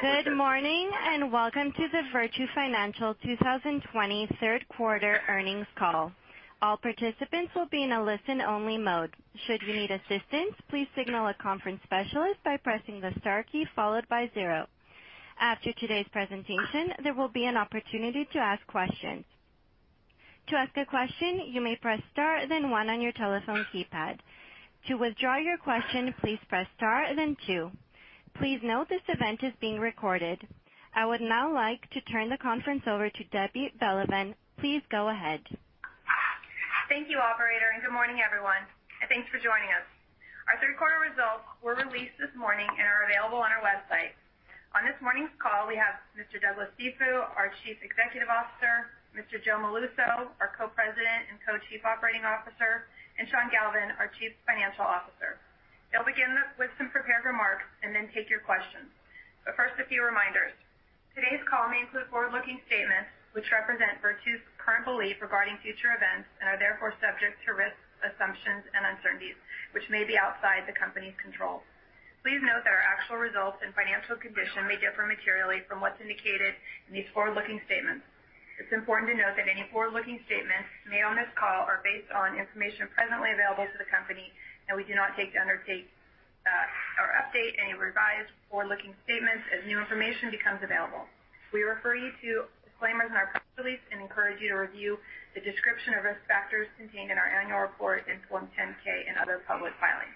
Good morning and welcome to the Virtu Financial 2020 third quarter earnings call. All participants will be in a listen-only mode. Should you need assistance, please signal a conference specialist by pressing the star key followed by zero. After today's presentation, there will be an opportunity to ask questions. To ask a question, you may press star, then one on your telephone keypad. To withdraw your question, please press star, then two. Please note this event is being recorded. I would now like to turn the conference over to Debbie Belevan. Please go ahead. Thank you, Operator, and good morning, everyone, and thanks for joining us. Our third quarter results were released this morning and are available on our website. On this morning's call, we have Mr. Douglas Cifu, our Chief Executive Officer, Mr. Joe Molluso, our Co-President and Co-Chief Operating Officer, and Sean Galvin, our Chief Financial Officer. They'll begin with some prepared remarks and then take your questions, but first, a few reminders. Today's call may include forward-looking statements which represent Virtu's current belief regarding future events and are therefore subject to risk assumptions and uncertainties which may be outside the company's control. Please note that our actual results and financial condition may differ materially from what's indicated in these forward-looking statements. It's important to note that any forward-looking statements made on this call are based on information presently available to the company, and we do not undertake to update any revised forward-looking statements as new information becomes available. We refer you to disclaimers in our press release and encourage you to review the description of risk factors contained in our annual report in Form 10-K and other public filings.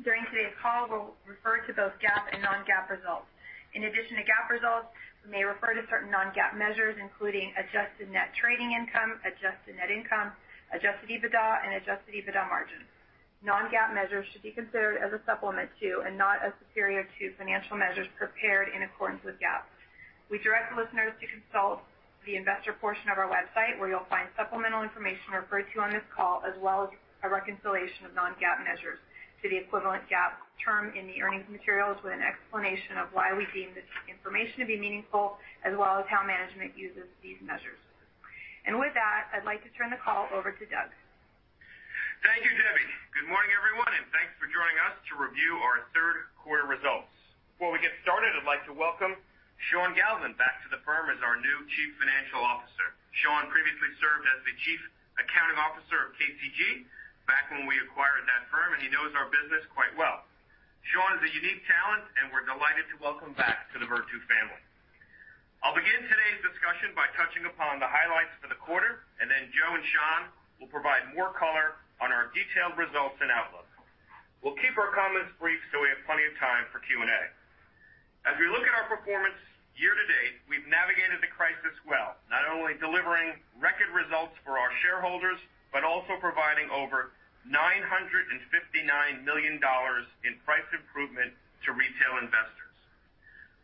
During today's call, we'll refer to both GAAP and non-GAAP results. In addition to GAAP results, we may refer to certain non-GAAP measures including adjusted net trading income, adjusted net income, Adjusted EBITDA, and Adjusted EBITDA margins. Non-GAAP measures should be considered as a supplement to and not as superior to financial measures prepared in accordance with GAAP. We direct listeners to consult the investor portion of our website where you'll find supplemental information referred to on this call as well as a reconciliation of non-GAAP measures to the equivalent GAAP term in the earnings materials with an explanation of why we deem this information to be meaningful as well as how management uses these measures. And with that, I'd like to turn the call over to Doug. Thank you, Debbie. Good morning, everyone, and thanks for joining us to review our third quarter results. Before we get started, I'd like to welcome Sean Galvin back to the firm as our new Chief Financial Officer. Sean previously served as the Chief Accounting Officer of KCG back when we acquired that firm, and he knows our business quite well. Sean is a unique talent, and we're delighted to welcome back to the Virtu family. I'll begin today's discussion by touching upon the highlights for the quarter, and then Joe and Sean will provide more color on our detailed results and outlook. We'll keep our comments brief so we have plenty of time for Q&A. As we look at our performance year to date, we've navigated the crisis well, not only delivering record results for our shareholders but also providing over $959 million in price improvement to retail investors.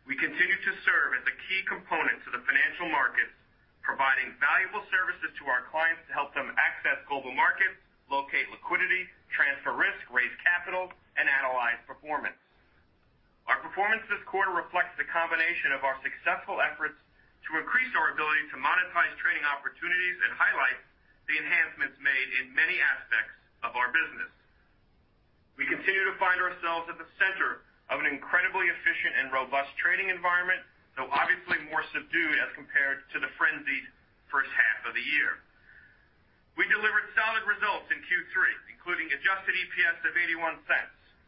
We continue to serve as a key component to the financial markets, providing valuable services to our clients to help them access global markets, locate liquidity, transfer risk, raise capital, and analyze performance. Our performance this quarter reflects the combination of our successful efforts to increase our ability to monetize trading opportunities and highlight the enhancements made in many aspects of our business. We continue to find ourselves at the center of an incredibly efficient and robust trading environment, though obviously more subdued as compared to the frenzied first half of the year. We delivered solid results in Q3, including Adjusted EPS of $0.81,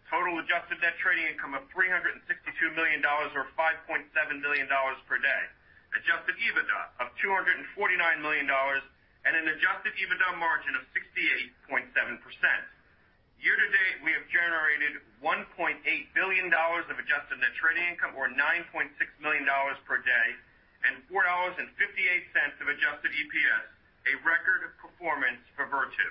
total adjusted net trading income of $362 million or $5.7 million per day, Adjusted EBITDA of $249 million, and an Adjusted EBITDA margin of 68.7%. Year to date, we have generated $1.8 billion of adjusted net trading income or $9.6 million per day and $4.58 of adjusted EPS, a record performance for Virtu.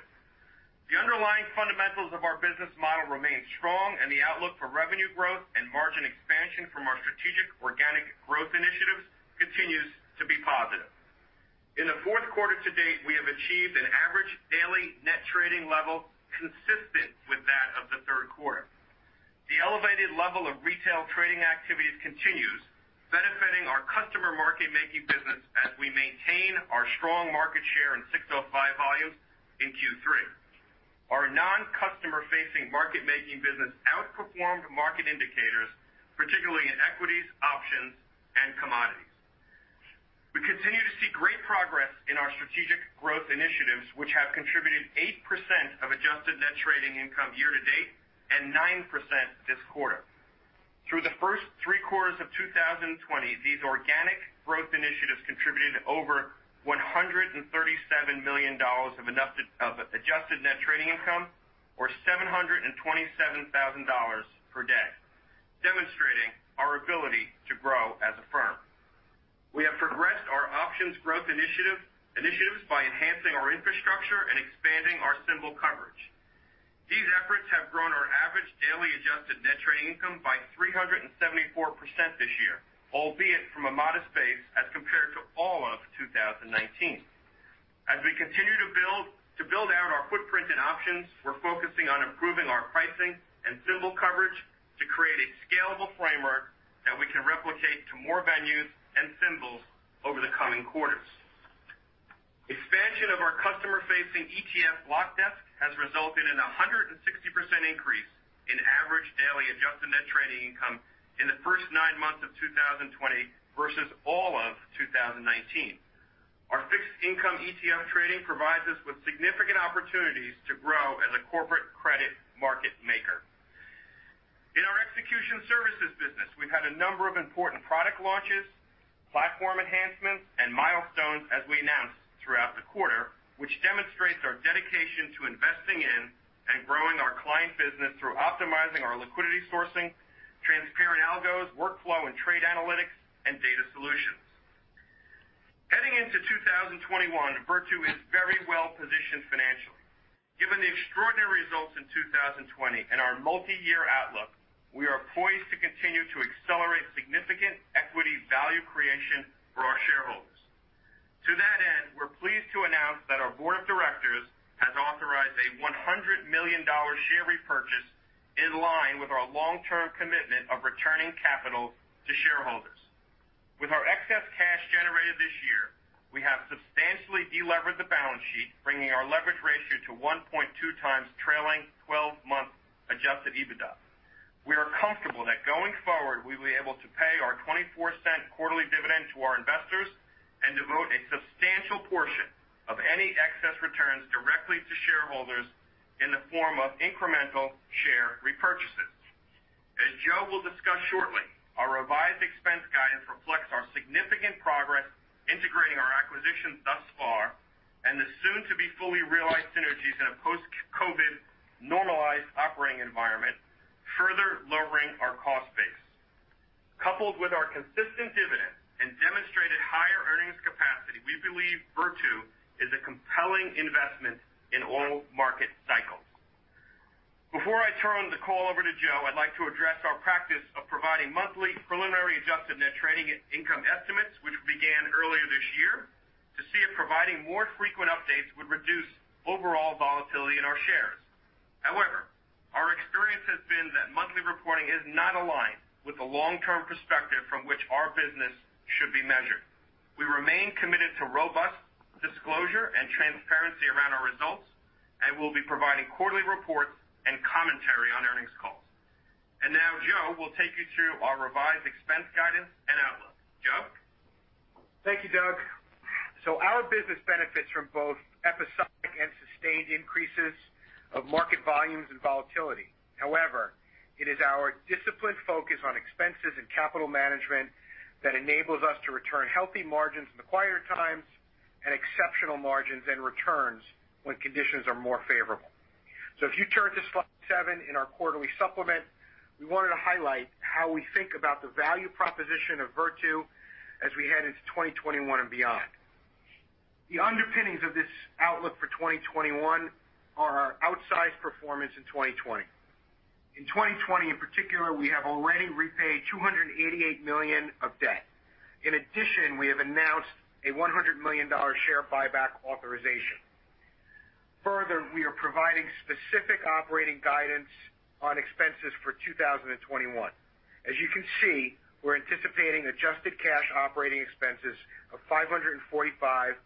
The underlying fundamentals of our business model remain strong, and the outlook for revenue growth and margin expansion from our strategic organic growth initiatives continues to be positive. In the fourth quarter to date, we have achieved an average daily net trading level consistent with that of the third quarter. The elevated level of retail trading activities continues, benefiting our customer market-making business as we maintain our strong market share in 605 volumes in Q3. Our non-customer-facing market-making business outperformed market indicators, particularly in equities, options, and commodities. We continue to see great progress in our strategic growth initiatives, which have contributed 8% of adjusted net trading income year to date and 9% this quarter. Through the first three quarters of 2020, these organic growth initiatives contributed over $137 million of adjusted net trading income or $727,000 per day, demonstrating our ability to grow as a firm. We have progressed our options growth initiatives by enhancing our infrastructure and expanding our symbol coverage. These efforts have grown our average daily adjusted net trading income by 374% this year, albeit from a modest base as compared to all of 2019. As we continue to build out our footprint in options, we're focusing on improving our pricing and symbol coverage to create a scalable framework that we can replicate to more venues and symbols over the coming quarters. Expansion of our customer-facing ETF block desk has resulted in a 160% increase in average daily adjusted net trading income in the first nine months of 2020 versus all of 2019. Our fixed income ETF trading provides us with significant opportunities to grow as a corporate credit market maker. In our execution services business, we've had a number of important product launches, platform enhancements, and milestones as we announced throughout the quarter, which demonstrates our dedication to investing in and growing our client business through optimizing our liquidity sourcing, transparent algos, workflow, and trade analytics and data solutions. Heading into 2021, Virtu is very well positioned financially. Given the extraordinary results in 2020 and our multi-year outlook, we are poised to continue to accelerate significant equity value creation for our shareholders. To that end, we're pleased to announce that our board of directors has authorized a $100 million share repurchase in line with our long-term commitment of returning capital to shareholders. With our excess cash generated this year, we have substantially deleveraged the balance sheet, bringing our leverage ratio to 1.2 times trailing 12-month Adjusted EBITDA. We are comfortable that going forward, we will be able to pay our $0.24 quarterly dividend to our investors and devote a substantial portion of any excess returns directly to shareholders in the form of incremental share repurchases. As Joe will discuss shortly, our revised expense guidance reflects our significant progress integrating our acquisitions thus far and the soon-to-be fully realized synergies in a post-COVID normalized operating environment, further lowering our cost base. Coupled with our consistent dividend and demonstrated higher earnings capacity, we believe Virtu is a compelling investment in all market cycles. Before I turn the call over to Joe, I'd like to address our practice of providing monthly preliminary adjusted net trading income estimates, which began earlier this year, to see if providing more frequent updates would reduce overall volatility in our shares. However, our experience has been that monthly reporting is not aligned with the long-term perspective from which our business should be measured. We remain committed to robust disclosure and transparency around our results and will be providing quarterly reports and commentary on earnings calls. And now, Joe will take you through our revised expense guidance and outlook. Joe? Thank you, Doug. Our business benefits from both episodic and sustained increases of market volumes and volatility. However, it is our disciplined focus on expenses and capital management that enables us to return healthy margins in the quieter times and exceptional margins and returns when conditions are more favorable. If you turn to slide seven in our quarterly supplement, we wanted to highlight how we think about the value proposition of Virtu as we head into 2021 and beyond. The underpinnings of this outlook for 2021 are our outsized performance in 2020. In 2020, in particular, we have already repaid $288 million of debt. In addition, we have announced a $100 million share buyback authorization. Further, we are providing specific operating guidance on expenses for 2021. As you can see, we're anticipating adjusted cash operating expenses of $545-$575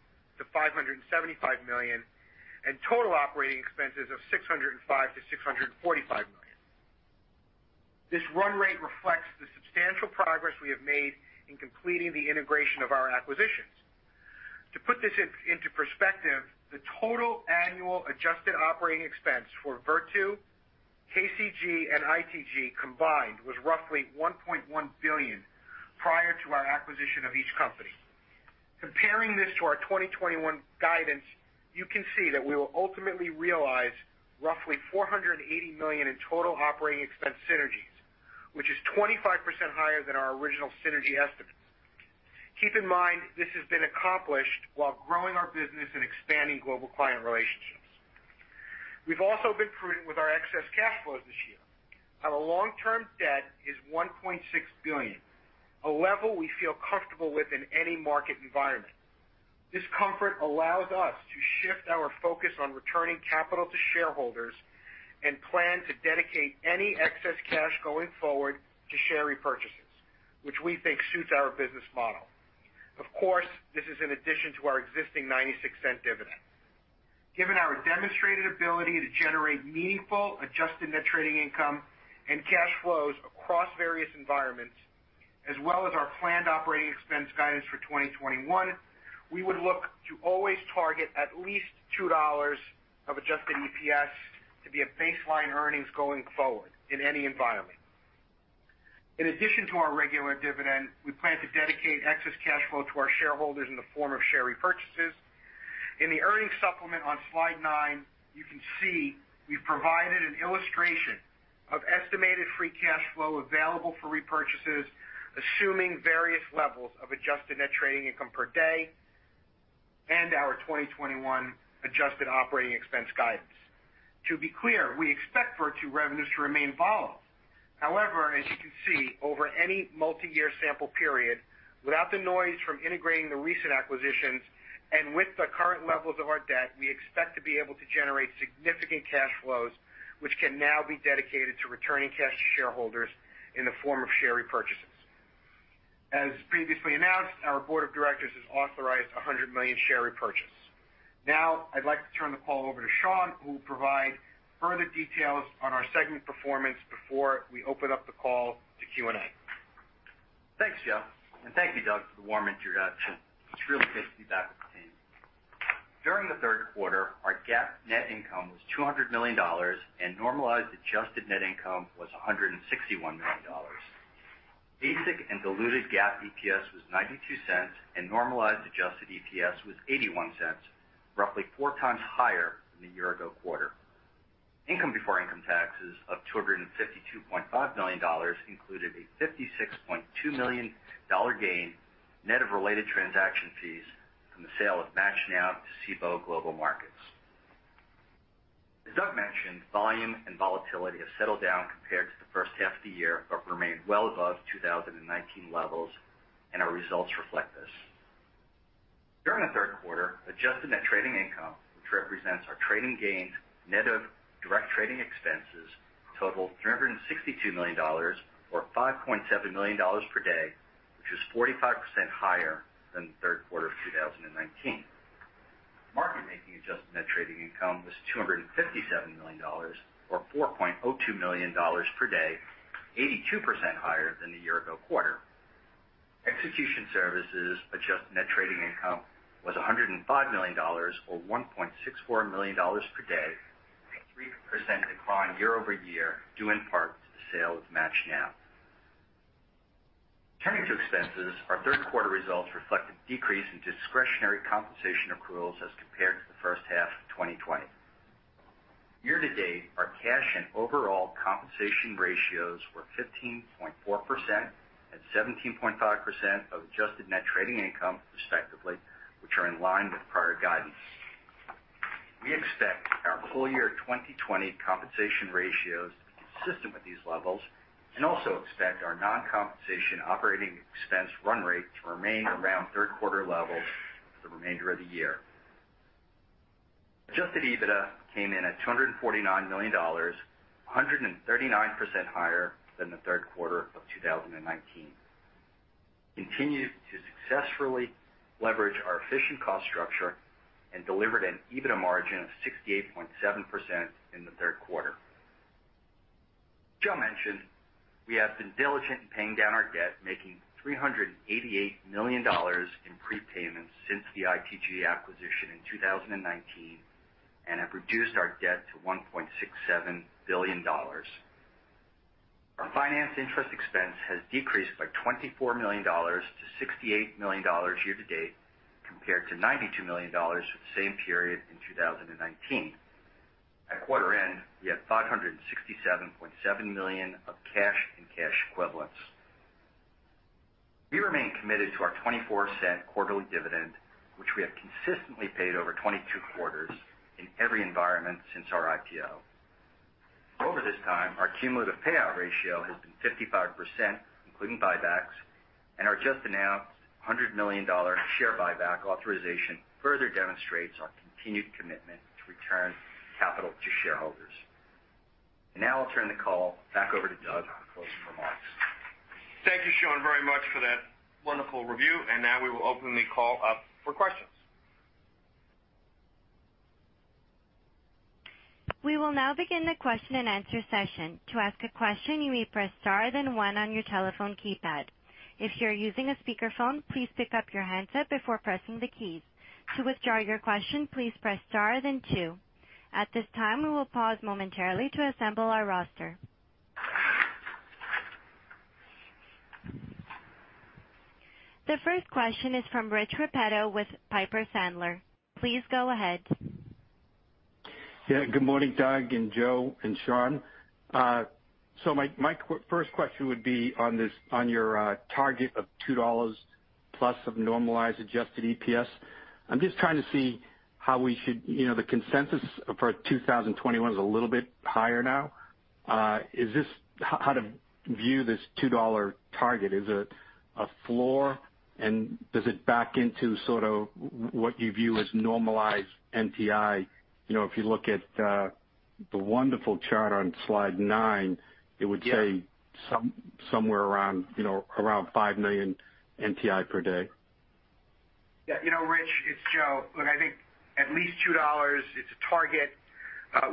million and total operating expenses of $605-$645 million. This run rate reflects the substantial progress we have made in completing the integration of our acquisitions. To put this into perspective, the total annual adjusted operating expense for Virtu, KCG, and ITG combined was roughly $1.1 billion prior to our acquisition of each company. Comparing this to our 2021 guidance, you can see that we will ultimately realize roughly $480 million in total operating expense synergies, which is 25% higher than our original synergy estimates. Keep in mind, this has been accomplished while growing our business and expanding global client relationships. We've also been prudent with our excess cash flows this year. Our long-term debt is $1.6 billion, a level we feel comfortable with in any market environment. This comfort allows us to shift our focus on returning capital to shareholders and plan to dedicate any excess cash going forward to share repurchases, which we think suits our business model. Of course, this is in addition to our existing $0.96 dividend. Given our demonstrated ability to generate meaningful adjusted net trading income and cash flows across various environments, as well as our planned operating expense guidance for 2021, we would look to always target at least $2 of Adjusted EPS to be a baseline earnings going forward in any environment. In addition to our regular dividend, we plan to dedicate excess cash flow to our shareholders in the form of share repurchases. In the earnings supplement on slide nine, you can see we've provided an illustration of estimated free cash flow available for repurchases, assuming various levels of adjusted net trading income per day and our 2021 adjusted operating expense guidance. To be clear, we expect Virtu revenues to remain volatile. However, as you can see, over any multi-year sample period, without the noise from integrating the recent acquisitions and with the current levels of our debt, we expect to be able to generate significant cash flows, which can now be dedicated to returning cash to shareholders in the form of share repurchases. As previously announced, our board of directors has authorized $100 million share repurchase. Now, I'd like to turn the call over to Sean, who will provide further details on our segment performance before we open up the call to Q&A. Thanks, Joe. And thank you, Doug, for the warm introduction. It's really good to be back with the team. During the third quarter, our GAAP net income was $200 million, and normalized adjusted net income was $161 million. Basic and diluted GAAP EPS was $0.92, and normalized Adjusted EPS was $0.81, roughly four times higher than the year-ago quarter. Income before income taxes of $252.5 million included a $56.2 million gain net of related transaction fees from the sale of MATCHNow to Cboe Global Markets. As Doug mentioned, volume and volatility have settled down compared to the first half of the year, but remain well above 2019 levels, and our results reflect this. During the third quarter, adjusted net trading income, which represents our trading gains net of direct trading expenses, totaled $362 million or $5.7 million per day, which is 45% higher than the third quarter of 2019. Market-making adjusted net trading income was $257 million or $4.02 million per day, 82% higher than the year-ago quarter. Execution services adjusted net trading income was $105 million or $1.64 million per day, a 3% decline year-over-year, due in part to the sale of MATCHNow. Turning to expenses, our third quarter results reflect a decrease in discretionary compensation accruals as compared to the first half of 2020. Year to date, our cash and overall compensation ratios were 15.4% and 17.5% of adjusted net trading income, respectively, which are in line with prior guidance. We expect our full year 2020 compensation ratios to be consistent with these levels and also expect our non-compensation operating expense run rate to remain around third quarter levels for the remainder of the year. Adjusted EBITDA came in at $249 million, 139% higher than the third quarter of 2019. We continued to successfully leverage our efficient cost structure and delivered an EBITDA margin of 68.7% in the third quarter. Joe mentioned we have been diligent in paying down our debt, making $388 million in prepayments since the ITG acquisition in 2019 and have reduced our debt to $1.67 billion. Our finance interest expense has decreased by $24 million to $68 million year to date compared to $92 million for the same period in 2019. At quarter end, we had $567.7 million of cash and cash equivalents. We remain committed to our $0.24 quarterly dividend, which we have consistently paid over 22 quarters in every environment since our IPO. Over this time, our cumulative payout ratio has been 55%, including buybacks, and our just announced $100 million share buyback authorization further demonstrates our continued commitment to return capital to shareholders. And now I'll turn the call back over to Doug for closing remarks. Thank you, Sean, very much for that wonderful review. Now we will open the call up for questions. We will now begin the question and answer session. To ask a question, you may press star then one on your telephone keypad. If you're using a speakerphone, please pick up your handset before pressing the keys. To withdraw your question, please press star then two. At this time, we will pause momentarily to assemble our roster. The first question is from Rich Repetto with Piper Sandler. Please go ahead. Yeah. Good morning, Doug and Joe and Sean. So my first question would be on your target of $2+ of normalized Adjusted EPS. I'm just trying to see how we should. The consensus for 2021 is a little bit higher now. How to view this $2 target? Is it a floor, and does it back into sort of what you view as normalized NTI? If you look at the wonderful chart on slide nine, it would say somewhere around $5 million NTI per day. Yeah. Rich, it's Joe. Look, I think at least $2 is a target.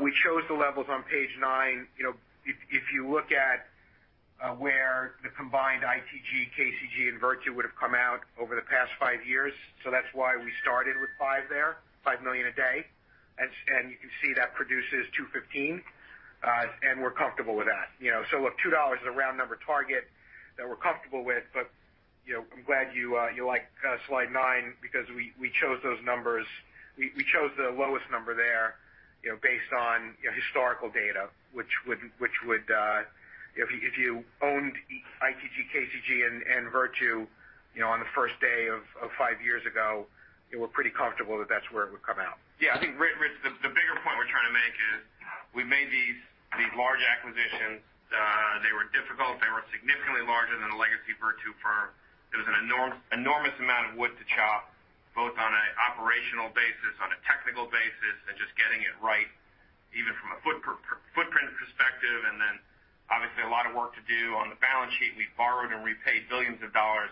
We chose the levels on page nine. If you look at where the combined ITG, KCG, and Virtu would have come out over the past five years, so that's why we started with five there, $5 million a day. And you can see that produces $215, and we're comfortable with that. So look, $2 is a round number target that we're comfortable with, but I'm glad you like slide nine because we chose those numbers. We chose the lowest number there based on historical data, which would, if you owned ITG, KCG, and Virtu on the first day of five years ago, we're pretty comfortable that that's where it would come out. Yeah. I think, Rich, the bigger point we're trying to make is we've made these large acquisitions. They were difficult. They were significantly larger than a legacy Virtu firm. There was an enormous amount of wood to chop, both on an operational basis, on a technical basis, and just getting it right, even from a footprint perspective. And then, obviously, a lot of work to do on the balance sheet. We borrowed and repaid billions of dollars.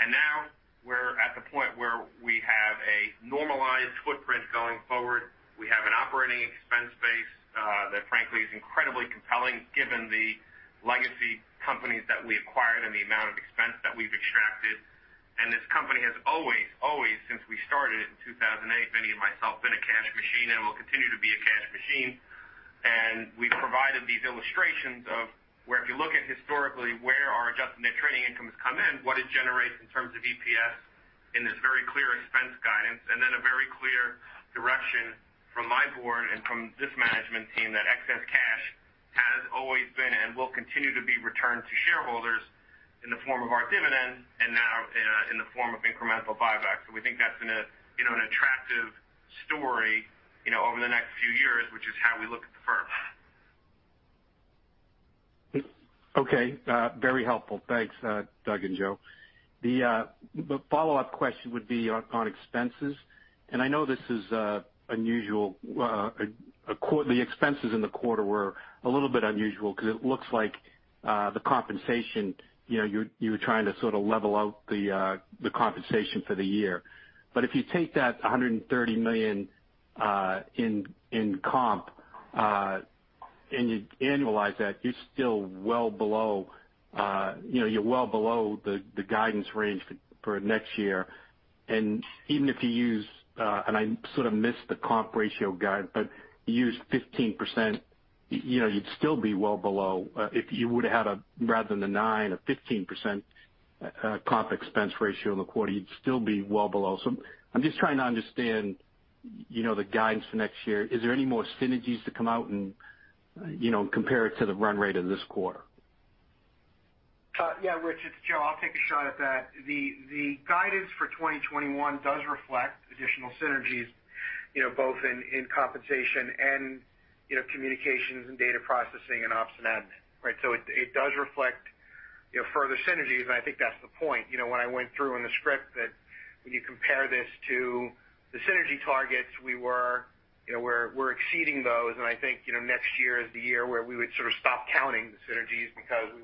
And now we're at the point where we have a normalized footprint going forward. We have an operating expense base that, frankly, is incredibly compelling given the legacy companies that we acquired and the amount of expense that we've extracted. And this company has always, always since we started in 2008, Vinny and myself, been a cash machine and will continue to be a cash machine. And we've provided these illustrations of where, if you look at historically where our adjusted net trading income has come in, what it generates in terms of EPS in this very clear expense guidance, and then a very clear direction from my board and from this management team that excess cash has always been and will continue to be returned to shareholders in the form of our dividend and now in the form of incremental buybacks. So we think that's an attractive story over the next few years, which is how we look at the firm. Okay. Very helpful. Thanks, Doug and Joe. The follow-up question would be on expenses, and I know this is unusual. The expenses in the quarter were a little bit unusual because it looks like the compensation you were trying to sort of level out the compensation for the year, but if you take that $130 million in comp and you annualize that, you're still well below—you're well below the guidance range for next year. And even if you use—and I sort of missed the comp ratio guide, but you use 15%, you'd still be well below. If you would have had a rather than a 9, a 15% comp expense ratio in the quarter, you'd still be well below, so I'm just trying to understand the guidance for next year. Is there any more synergies to come out and compare it to the run rate of this quarter? Yeah. Rich, it's Joe. I'll take a shot at that. The guidance for 2021 does reflect additional synergies, both in compensation and communications and data processing and ops and admin, right? So it does reflect further synergies, and I think that's the point. When I went through in the script that when you compare this to the synergy targets, we're exceeding those. And I think next year is the year where we would sort of stop counting the synergies because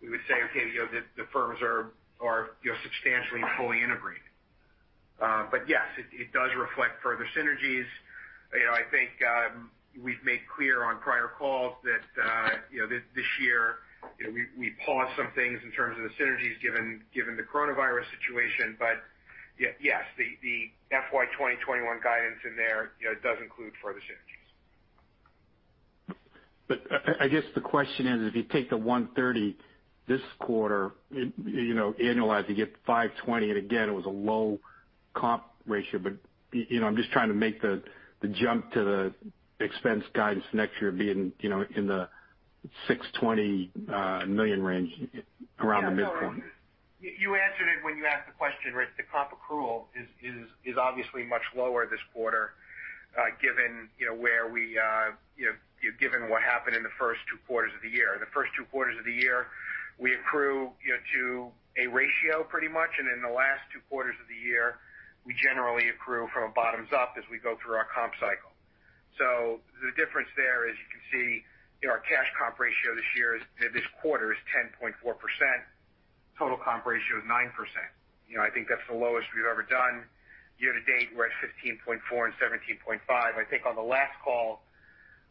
we would say, "Okay, the firms are substantially fully integrated." But yes, it does reflect further synergies. I think we've made clear on prior calls that this year we paused some things in terms of the synergies given the coronavirus situation. But yes, the FY 2021 guidance in there does include further synergies. But I guess the question is, if you take the $130 this quarter, annualized, you get $520. And again, it was a low comp ratio, but I'm just trying to make the jump to the expense guidance next year being in the $620 million range around the midpoint. You answered it when you asked the question, Rich. The comp accrual is obviously much lower this quarter given what happened in the first two quarters of the year. The first two quarters of the year, we accrue to a ratio pretty much, and in the last two quarters of the year, we generally accrue from bottoms up as we go through our comp cycle. The difference there is you can see our cash comp ratio this quarter is 10.4%. Total comp ratio is 9%. I think that's the lowest we've ever done. Year to date, we're at 15.4% and 17.5%. I think on the last call,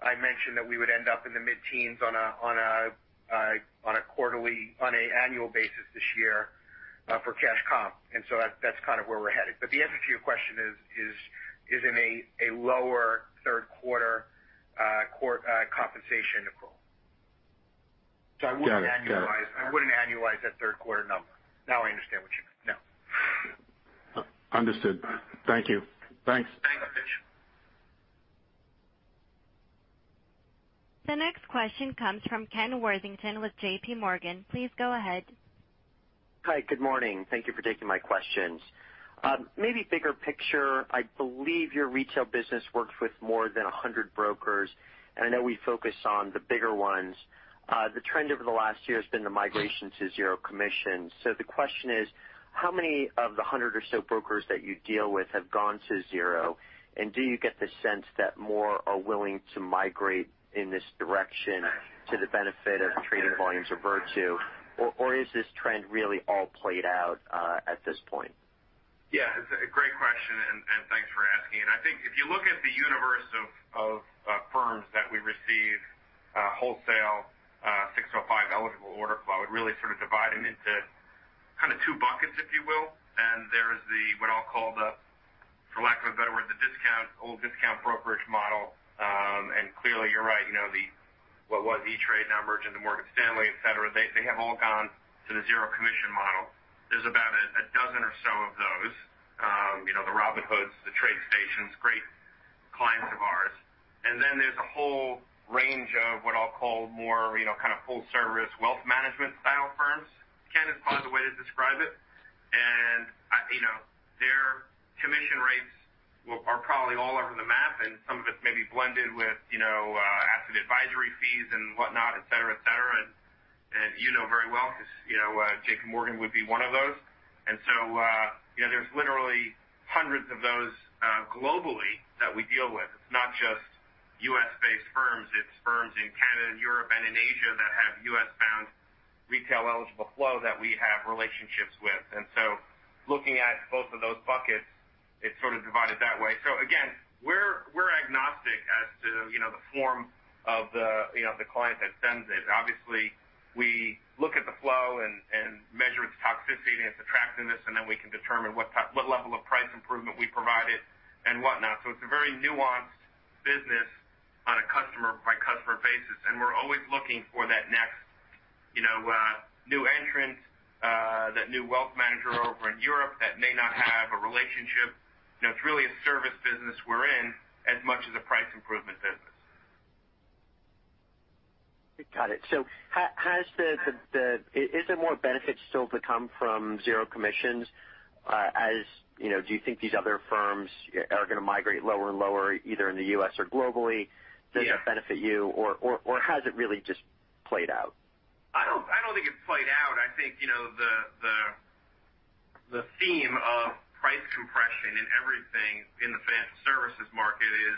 I mentioned that we would end up in the mid-teens on a quarterly and annual basis this year for cash comp, and so that's kind of where we're headed. But the answer to your question is in a lower third quarter compensation accrual. So I wouldn't annualize that third quarter number. Now I understand what you mean. No. Understood. Thank you. Thanks. Thanks, Rich. The next question comes from Ken Worthington with J.P. Morgan. Please go ahead. Hi. Good morning. Thank you for taking my questions. Maybe bigger picture, I believe your retail business works with more than 100 brokers, and I know we focus on the bigger ones. The trend over the last year has been the migration to zero commission. So the question is, how many of the 100 or so brokers that you deal with have gone to zero? And do you get the sense that more are willing to migrate in this direction to the benefit of trading volumes or Virtu? Or is this trend really all played out at this point? Yeah. It's a great question, and thanks for asking. And I think if you look at the universe of firms that we receive wholesale 605 eligible order flow, it really sort of divided into kind of two buckets, if you will. And there is what I'll call, for lack of a better word, the discount, old discount brokerage model. And clearly, you're right, what was E*TRADE now merged into Morgan Stanley, etc. They have all gone to the zero commission model. There's about a dozen or so of those: the Robinhoods, the TradeStations, great clients of ours. And then there's a whole range of what I'll call more kind of full-service wealth management style firms, Ken is by the way to describe it. And their commission rates are probably all over the map, and some of it's maybe blended with asset advisory fees and whatnot, etc., etc. You know very well because J.P. Morgan would be one of those. And so there's literally hundreds of those globally that we deal with. It's not just U.S.-based firms. It's firms in Canada, in Europe, and in Asia that have U.S.-bound retail eligible flow that we have relationships with. And so looking at both of those buckets, it's sort of divided that way. So again, we're agnostic as to the form of the client that sends it. Obviously, we look at the flow and measure its toxicity and its attractiveness, and then we can determine what level of price improvement we provide it and whatnot. So it's a very nuanced business on a customer-by-customer basis. And we're always looking for that next new entrant, that new wealth manager over in Europe that may not have a relationship. It's really a service business we're in as much as a price improvement business. Got it. So is there more benefit still to come from zero commissions? Do you think these other firms are going to migrate lower and lower, either in the U.S. or globally? Does it benefit you, or has it really just played out? I don't think it's played out. I think the theme of price compression and everything in the financial services market is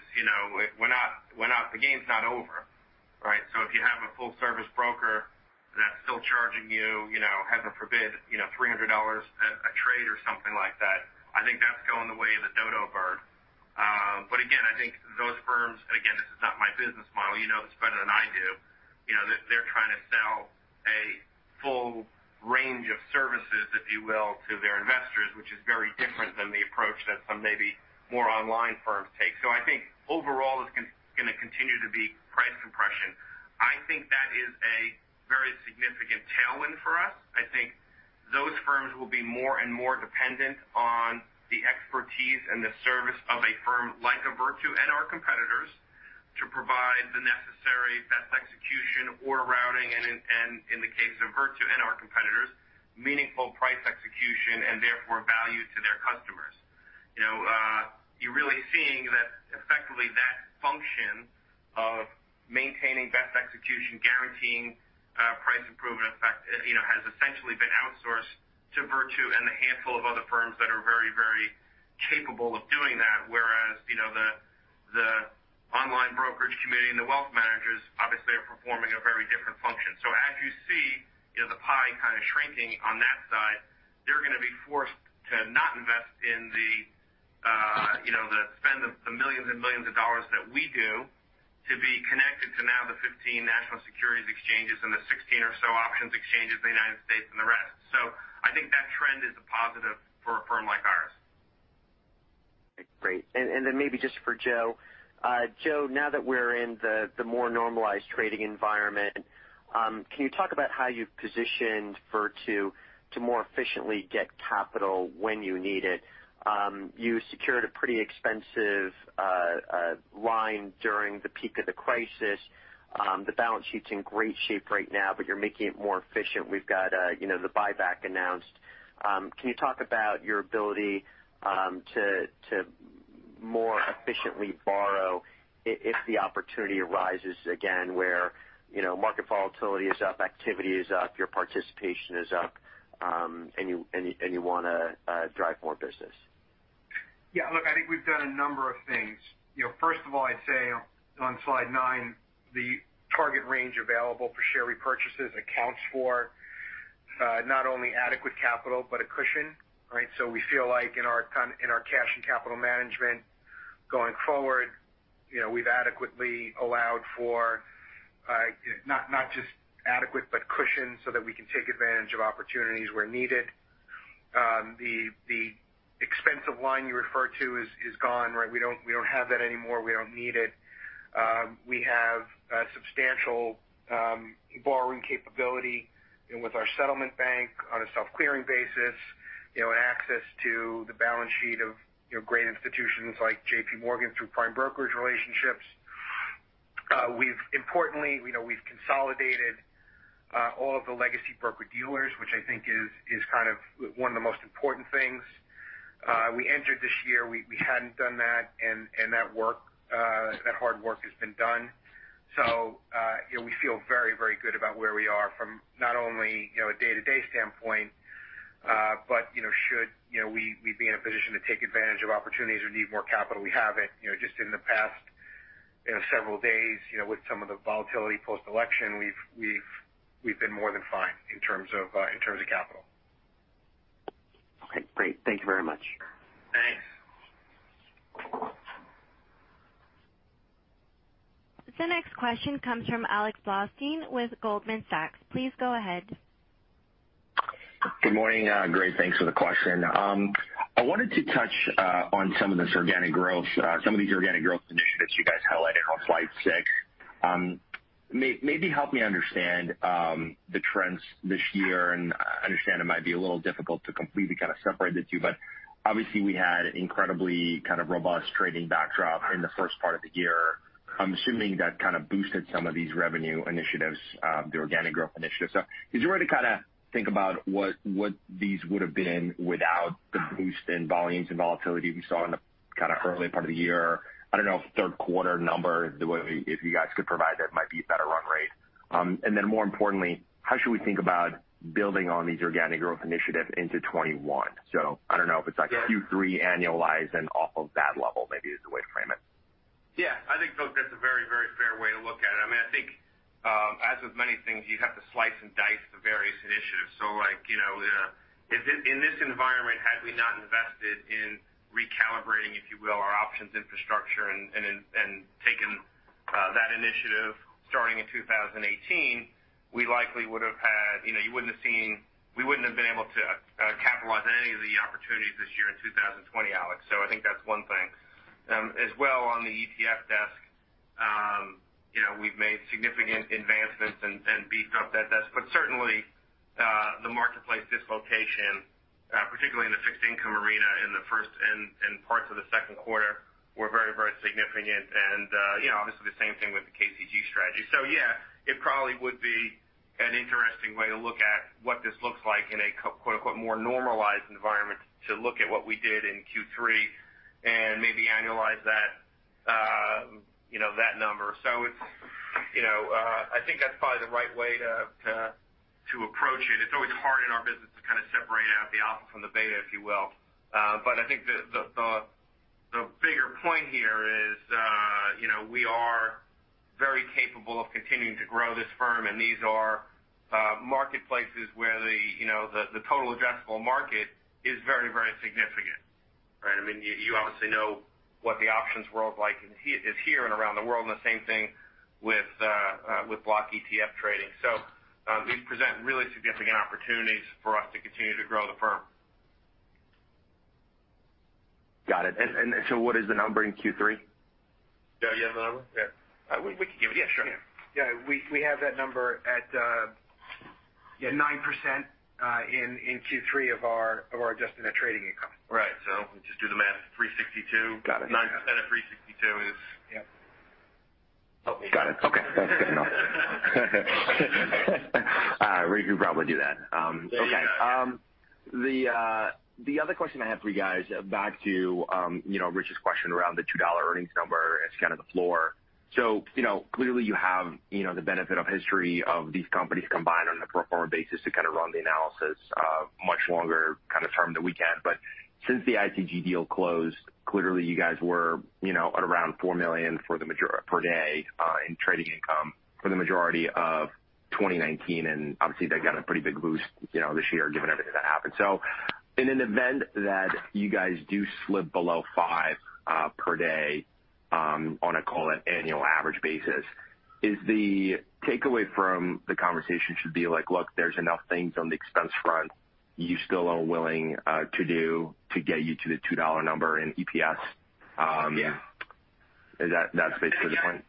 the game's not over, right? So if you have a full-service broker that's still charging you, heaven forbid, $300 a trade or something like that, I think that's going the way of the Dodo bird. But again, I think those firms, and again, this is not my business model, you know this better than I do, they're trying to sell a full range of services, if you will, to their investors, which is very different than the approach that some maybe more online firms take. So I think overall, it's going to continue to be price compression. I think that is a very significant tailwind for us. I think those firms will be more and more dependent on the expertise and the service of a firm like Virtu and our competitors to provide the necessary best execution, order routing, and in the case of Virtu and our competitors, meaningful price execution and therefore value to their customers. You're really seeing that effectively function of maintaining best execution, guaranteeing price improvement effect has essentially been outsourced to Virtu and the handful of other firms that are very, very capable of doing that, whereas the online brokerage community and the wealth managers obviously are performing a very different function. So as you see the pie kind of shrinking on that side, they're going to be forced to not invest in the spend of the millions and millions of dollars that we do to be connected to now the 15 national securities exchanges and the 16 or so options exchanges in the United States and the rest. So I think that trend is a positive for a firm like ours. Great. And then maybe just for Joe, Joe, now that we're in the more normalized trading environment, can you talk about how you've positioned Virtu to more efficiently get capital when you need it? You secured a pretty expensive line during the peak of the crisis. The balance sheet's in great shape right now, but you're making it more efficient. We've got the buyback announced. Can you talk about your ability to more efficiently borrow if the opportunity arises again where market volatility is up, activity is up, your participation is up, and you want to drive more business? Yeah. Look, I think we've done a number of things. First of all, I'd say on slide nine, the target range available for share repurchases accounts for not only adequate capital but a cushion, right? So we feel like in our cash and capital management going forward, we've adequately allowed for not just adequate, but cushioned so that we can take advantage of opportunities where needed. The expensive line you referred to is gone, right? We don't have that anymore. We don't need it. We have substantial borrowing capability with our settlement bank on a self-clearing basis and access to the balance sheet of great institutions like J.P. Morgan through prime brokerage relationships. Importantly, we've consolidated all of the legacy broker dealers, which I think is kind of one of the most important things. We entered this year. We hadn't done that, and that work, that hard work has been done. So we feel very, very good about where we are from not only a day-to-day standpoint, but should we be in a position to take advantage of opportunities or need more capital, we have it. Just in the past several days, with some of the volatility post-election, we've been more than fine in terms of capital. Okay. Great. Thank you very much. Thanks. The next question comes from Alex Blostein with Goldman Sachs. Please go ahead. Good morning. Great, thanks for the question. I wanted to touch on some of this organic growth, some of these organic growth initiatives you guys highlighted on slide six. Maybe help me understand the trends this year, and I understand it might be a little difficult to completely kind of separate the two, but obviously, we had incredibly kind of robust trading backdrop in the first part of the year. I'm assuming that kind of boosted some of these revenue initiatives, the organic growth initiatives, so is there a way to kind of think about what these would have been without the boost in volumes and volatility we saw in the kind of early part of the year? I don't know if third quarter number, if you guys could provide that, might be a better run rate. More importantly, how should we think about building on these organic growth initiatives into 2021? I don't know if it's like Q3 annualized and off of that level maybe is the way to frame it. Yeah. I think, folks, that's a very, very fair way to look at it. I mean, I think as with many things, you have to slice and dice the various initiatives. So in this environment, had we not invested in recalibrating, if you will, our options infrastructure and taken that initiative starting in 2018, we likely would have had you wouldn't have seen we wouldn't have been able to capitalize on any of the opportunities this year in 2020, Alex. So I think that's one thing. As well on the ETF desk, we've made significant advancements and beefed up that desk. But certainly, the marketplace dislocation, particularly in the fixed income arena in the first and parts of the second quarter, were very, very significant. And obviously, the same thing with the KCG strategy. So yeah, it probably would be an interesting way to look at what this looks like in a "more normalized" environment to look at what we did in Q3 and maybe annualize that number. So I think that's probably the right way to approach it. It's always hard in our business to kind of separate out the alpha from the beta, if you will. But I think the bigger point here is we are very capable of continuing to grow this firm, and these are marketplaces where the total addressable market is very, very significant, right? I mean, you obviously know what the options world looks like here and around the world, and the same thing with block ETF trading. So these present really significant opportunities for us to continue to grow the firm. Got it. And so what is the number in Q3? Doug, you have the number? Yeah. We can give it. Yeah. Sure. Yeah. We have that number at 9% in Q3 of our adjusted net trading income. Right. So just do the math. 362. Got it. 9% of 362 is. Got it. Okay. That's good enough. We could probably do that. Okay. The other question I have for you guys, back to Rich's question around the $2 earnings number, it's kind of the floor. So clearly, you have the benefit of history of these companies combined on a pro forma basis to kind of run the analysis much longer kind of term than we can. But since the ITG deal closed, clearly, you guys were at around four million per day in trading income for the majority of 2019. And obviously, they got a pretty big boost this year given everything that happened. So in an event that you guys do slip below five per day on a call it annual average basis, is the takeaway from the conversation should be like, "Look, there's enough things on the expense front you still are willing to do to get you to the $2 number in EPS? Yeah. That's basically the point?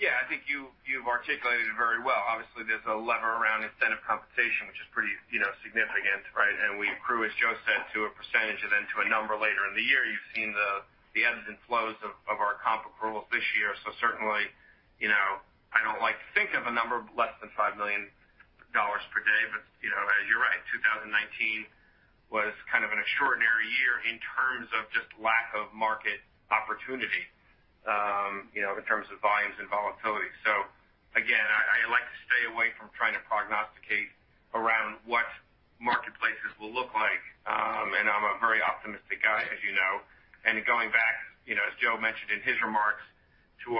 Yeah. I think you've articulated it very well. Obviously, there's a lever around incentive compensation, which is pretty significant, right, and we accrue, as Joe said, to a percentage and then to a number later in the year. You've seen the ebbs and flows of our comp approvals this year, so certainly, I don't like to think of a number of less than $5 million per day, but as you're right, 2019 was kind of an extraordinary year in terms of just lack of market opportunity in terms of volumes and volatility, so again, I like to stay away from trying to prognosticate around what marketplaces will look like, and I'm a very optimistic guy, as you know. Going back, as Joe mentioned in his remarks, from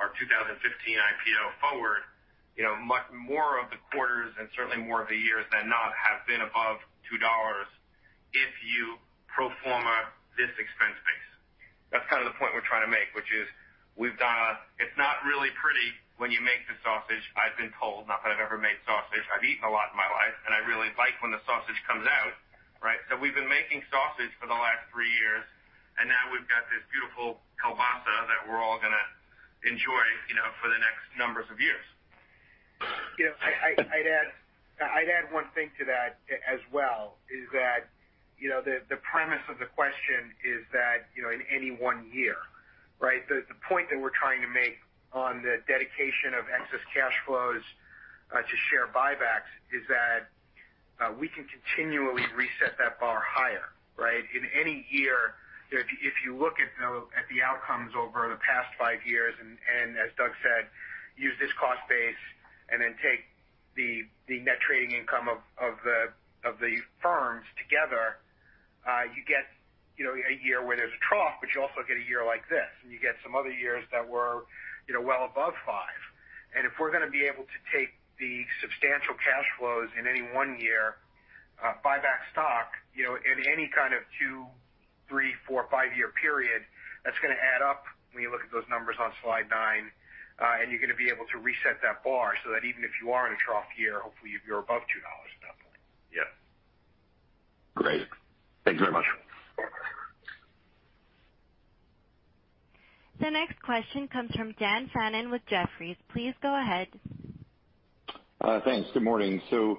our 2015 IPO forward, much more of the quarters and certainly more of the years than not have been above $2 if you pro forma this expense base. That's kind of the point we're trying to make, which is we've got a it's not really pretty when you make the sausage. I've been told, not that I've ever made sausage. I've eaten a lot in my life, and I really like when the sausage comes out, right? So we've been making sausage for the last three years, and now we've got this beautiful kielbasa that we're all going to enjoy for the next numbers of years. I'd add one thing to that as well is that the premise of the question is that in any one year, right? The point that we're trying to make on the dedication of excess cash flows to share buybacks is that we can continually reset that bar higher, right? In any year, if you look at the outcomes over the past five years and, as Doug said, use this cost base and then take the net trading income of the firms together, you get a year where there's a trough, but you also get a year like this, and you get some other years that were well above 5. If we're going to be able to take the substantial cash flows in any one year, buyback stock in any kind of two, three, four, five-year period, that's going to add up when you look at those numbers on slide nine, and you're going to be able to reset that bar so that even if you are in a trough year, hopefully, you're above $2 at that point. Yes. Great. Thank you very much. The next question comes from Dan Fannon with Jefferies. Please go ahead. Thanks. Good morning. I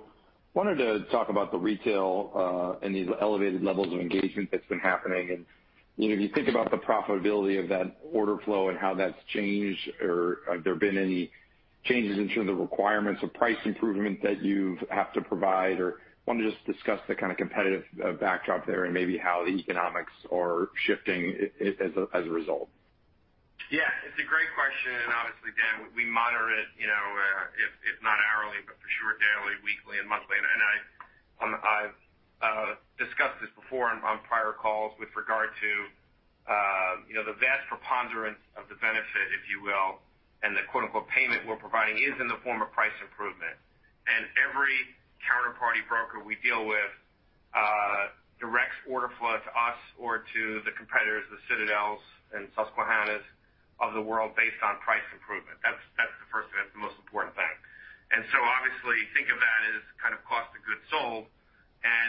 wanted to talk about the retail and these elevated levels of engagement that's been happening. And if you think about the profitability of that order flow and how that's changed, or have there been any changes in terms of requirements or price improvement that you have to provide, or want to just discuss the kind of competitive backdrop there and maybe how the economics are shifting as a result? Yeah. It's a great question. And obviously, Dan, we monitor it, if not hourly, but for sure daily, weekly, and monthly. And I've discussed this before on prior calls with regard to the vast preponderance of the benefit, if you will, and the "payment we're providing" is in the form of price improvement. And every counterparty broker we deal with directs order flow to us or to the competitors, the Citadels and Susquehannas of the world, based on price improvement. That's the first and the most important thing. And so obviously, think of that as kind of cost of goods sold.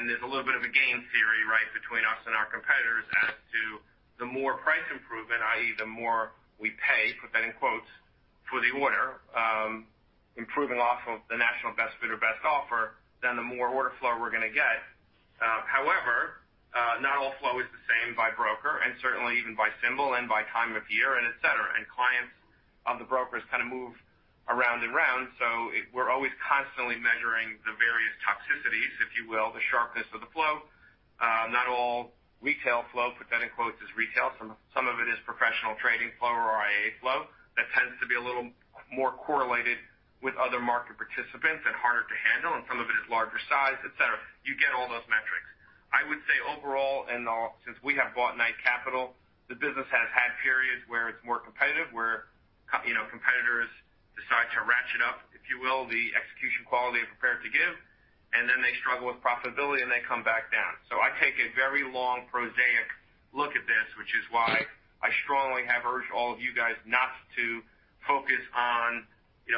There's a little bit of a game theory, right, between us and our competitors as to the more price improvement, i.e., the more we pay, put that in quotes, for the order, improving off of the national best bid and offer, then the more order flow we're going to get. However, not all flow is the same by broker and certainly even by symbol and by time of year, etc. Clients of the brokers kind of move around around. So we're always constantly measuring the various toxicities, if you will, the sharpness of the flow. Not all retail flow, put that in quotes, is retail. Some of it is professional trading flow or IA flow that tends to be a little more correlated with other market participants and harder to handle. Some of it is larger size, etc. You get all those metrics. I would say overall, since we have bought Knight Capital, the business has had periods where it's more competitive, where competitors decide to ratchet up, if you will, the execution quality and prepare to give, and then they struggle with profitability and they come back down. So I take a very long prosaic look at this, which is why I strongly have urged all of you guys not to focus on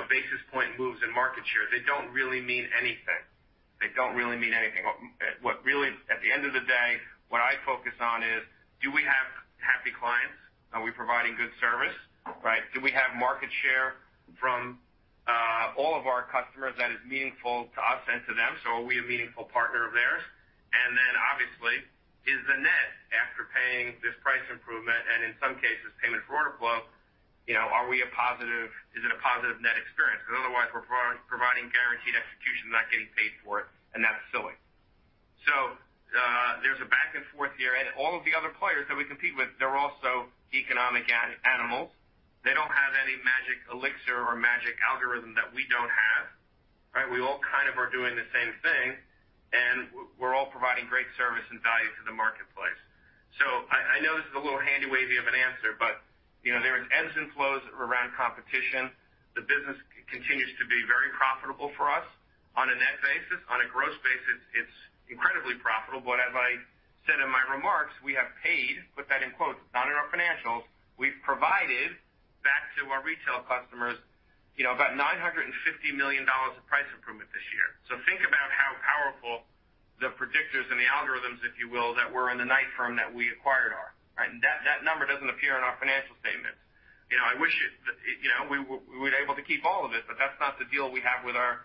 basis point moves and market share. They don't really mean anything. They don't really mean anything. At the end of the day, what I focus on is, do we have happy clients? Are we providing good service? Right? Do we have market share from all of our customers that is meaningful to us and to them? So are we a meaningful partner of theirs? And then obviously, is the net after paying this price improvement and in some cases, payment for order flow, are we positive? Is it a positive net experience? Because otherwise, we're providing guaranteed execution, not getting paid for it, and that's silly. So there's a back and forth here. And all of the other players that we compete with, they're also economic animals. They don't have any magic elixir or magic algorithm that we don't have, right? We all kind of are doing the same thing, and we're all providing great service and value to the marketplace. So I know this is a little hand-wavy of an answer, but there are ebbs and flows around competition. The business continues to be very profitable for us on a net basis. On a gross basis, it's incredibly profitable. But as I said in my remarks, we have "paid"—put that in quotes—not in our financials. We've provided back to our retail customers about $950 million of price improvement this year. So think about how powerful the predictors and the algorithms, if you will, that were in the Knight firm that we acquired are, right? And that number doesn't appear in our financial statements. I wish we were able to keep all of it, but that's not the deal we have with our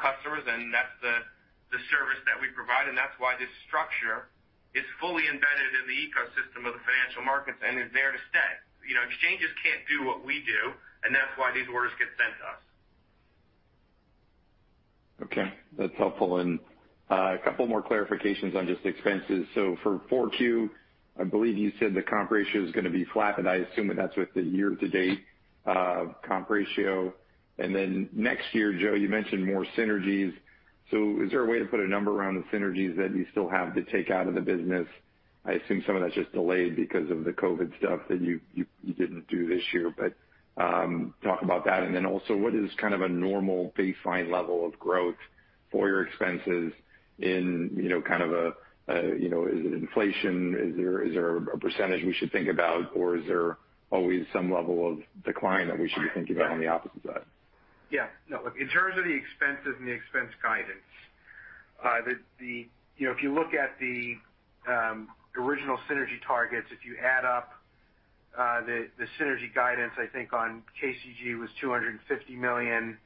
customers, and that's the service that we provide. And that's why this structure is fully embedded in the ecosystem of the financial markets and is there to stay. Exchanges can't do what we do, and that's why these orders get sent to us. Okay. That's helpful. And a couple more clarifications on just expenses. So for 4Q, I believe you said the comp ratio is going to be flat, and I assume that that's with the year-to-date comp ratio. And then next year, Joe, you mentioned more synergies. So is there a way to put a number around the synergies that you still have to take out of the business? I assume some of that's just delayed because of the COVID stuff that you didn't do this year, but talk about that. And then also, what is kind of a normal baseline level of growth for your expenses in kind of a is it inflation? Is there a percentage we should think about, or is there always some level of decline that we should be thinking about on the opposite side? Yeah. No. In terms of the expenses and the expense guidance, if you look at the original synergy targets, if you add up the synergy guidance, I think on KCG was $250 million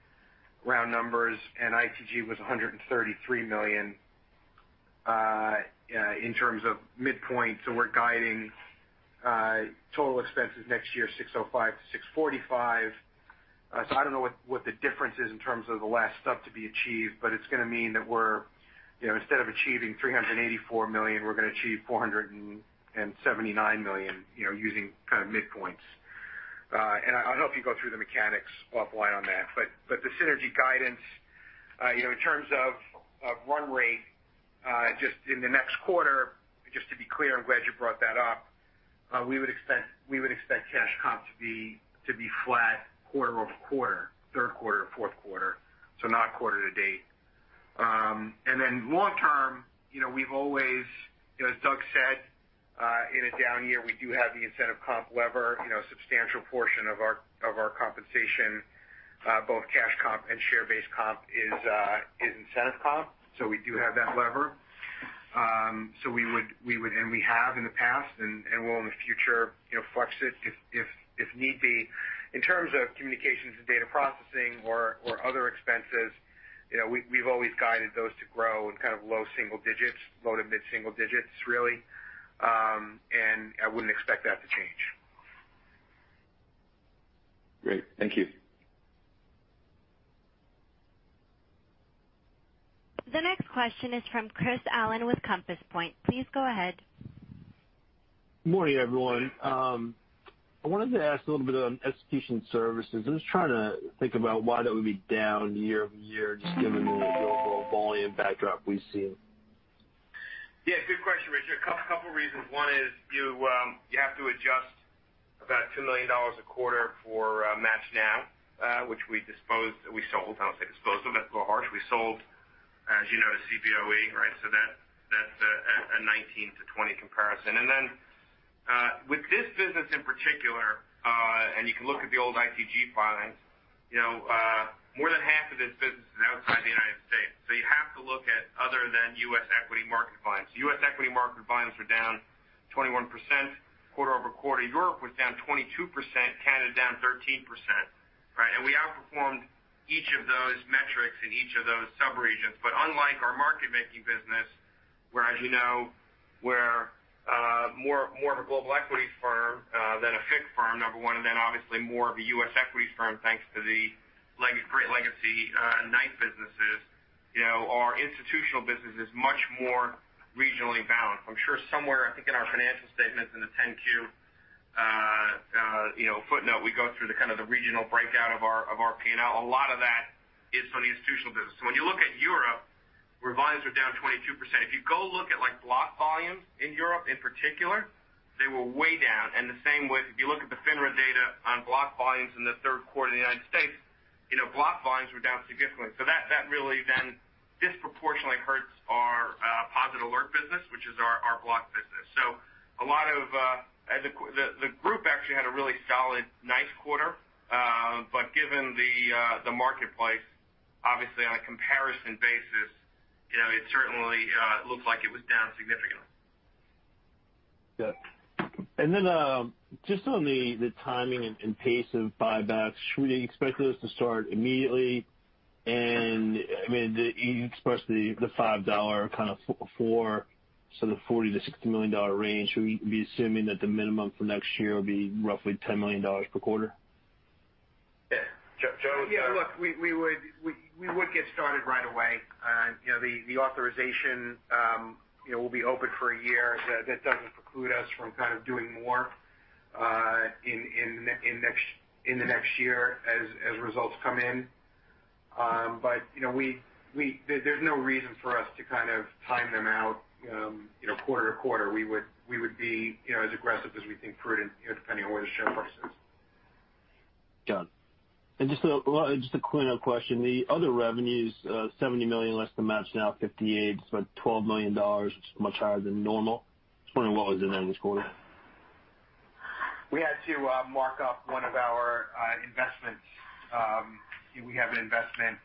round numbers, and ITG was $133 million in terms of midpoint. So we're guiding total expenses next year, $605 million-$645 million. So I don't know what the difference is in terms of the last step to be achieved, but it's going to mean that instead of achieving $384 million, we're going to achieve $479 million using kind of midpoints. And I'll help you go through the mechanics offline on that. But the synergy guidance, in terms of run rate, just in the next quarter, just to be clear, I'm glad you brought that up, we would expect cash comp to be flat quarter-over-quarter, third quarter, fourth quarter, so not quarter to date. And then, long term, we've always, as Doug said, in a down year, we do have the incentive comp lever. A substantial portion of our compensation, both cash comp and share-based comp, is incentive comp. So we do have that lever. So we would, and we have in the past, and will in the future, flex it if need be. In terms of communications and data processing or other expenses, we've always guided those to grow in kind of low single digits, low to mid-single digits, really. And I wouldn't expect that to change. Great. Thank you. The next question is from Chris Allen with Compass Point. Please go ahead. Good morning, everyone. I wanted to ask a little bit on execution services. I'm just trying to think about why that would be down year-over-year, just given the overall volume backdrop we've seen. Yeah. Good question, Richard. A couple of reasons. One is you have to adjust about $2 million a quarter for MATCHNow, which we disposed, we sold. I don't want to say disposed of it, but we sold, as you know, to Cboe, right? So that's a 2019 to 2020 comparison, and then with this business in particular, and you can look at the old ITG filings, more than half of this business is outside the United States. So you have to look at other than US equity market volumes. US equity market volumes were down 21% quarter-over-quarter. Europe was down 22%. Canada down 13%, right? And we outperformed each of those metrics in each of those sub-regions. But unlike our market-making business, whereas you know, we're more of a global equities firm than a FICC firm, number one, and then obviously more of a U.S. equities firm thanks to the great legacy Knight businesses, our institutional business is much more regionally bound. I'm sure somewhere, I think in our financial statements and the 10-Q footnote, we go through kind of the regional breakout of our P&L. A lot of that is from the institutional business. So when you look at Europe, where volumes were down 22%, if you go look at block volumes in Europe in particular, they were way down. And the same with, if you look at the FINRA data on block volumes in the third quarter in the United States, block volumes were down significantly. So that really then disproportionately hurts our POSIT Alert business, which is our block business. So a lot of the group actually had a really solid nice quarter. But given the marketplace, obviously on a comparison basis, it certainly looks like it was down significantly. Yeah. And then just on the timing and pace of buybacks, should we expect those to start immediately? And I mean, you expressed the $5 kind of floor for the $40-$60 million range. We'd be assuming that the minimum for next year would be roughly $10 million per quarter. Yeah. Joe was. Yeah. Look, we would get started right away. The authorization will be open for a year. That doesn't preclude us from kind of doing more in the next year as results come in. But there's no reason for us to kind of time them out quarter to quarter. We would be as aggressive as we think prudent, depending on where the share price is. And just a quick question. The other revenues, $70 million less than MATCHNow, $58, so $12 million, which is much higher than normal. I just wonder what was in there this quarter. We had to mark up one of our investments. We have an investment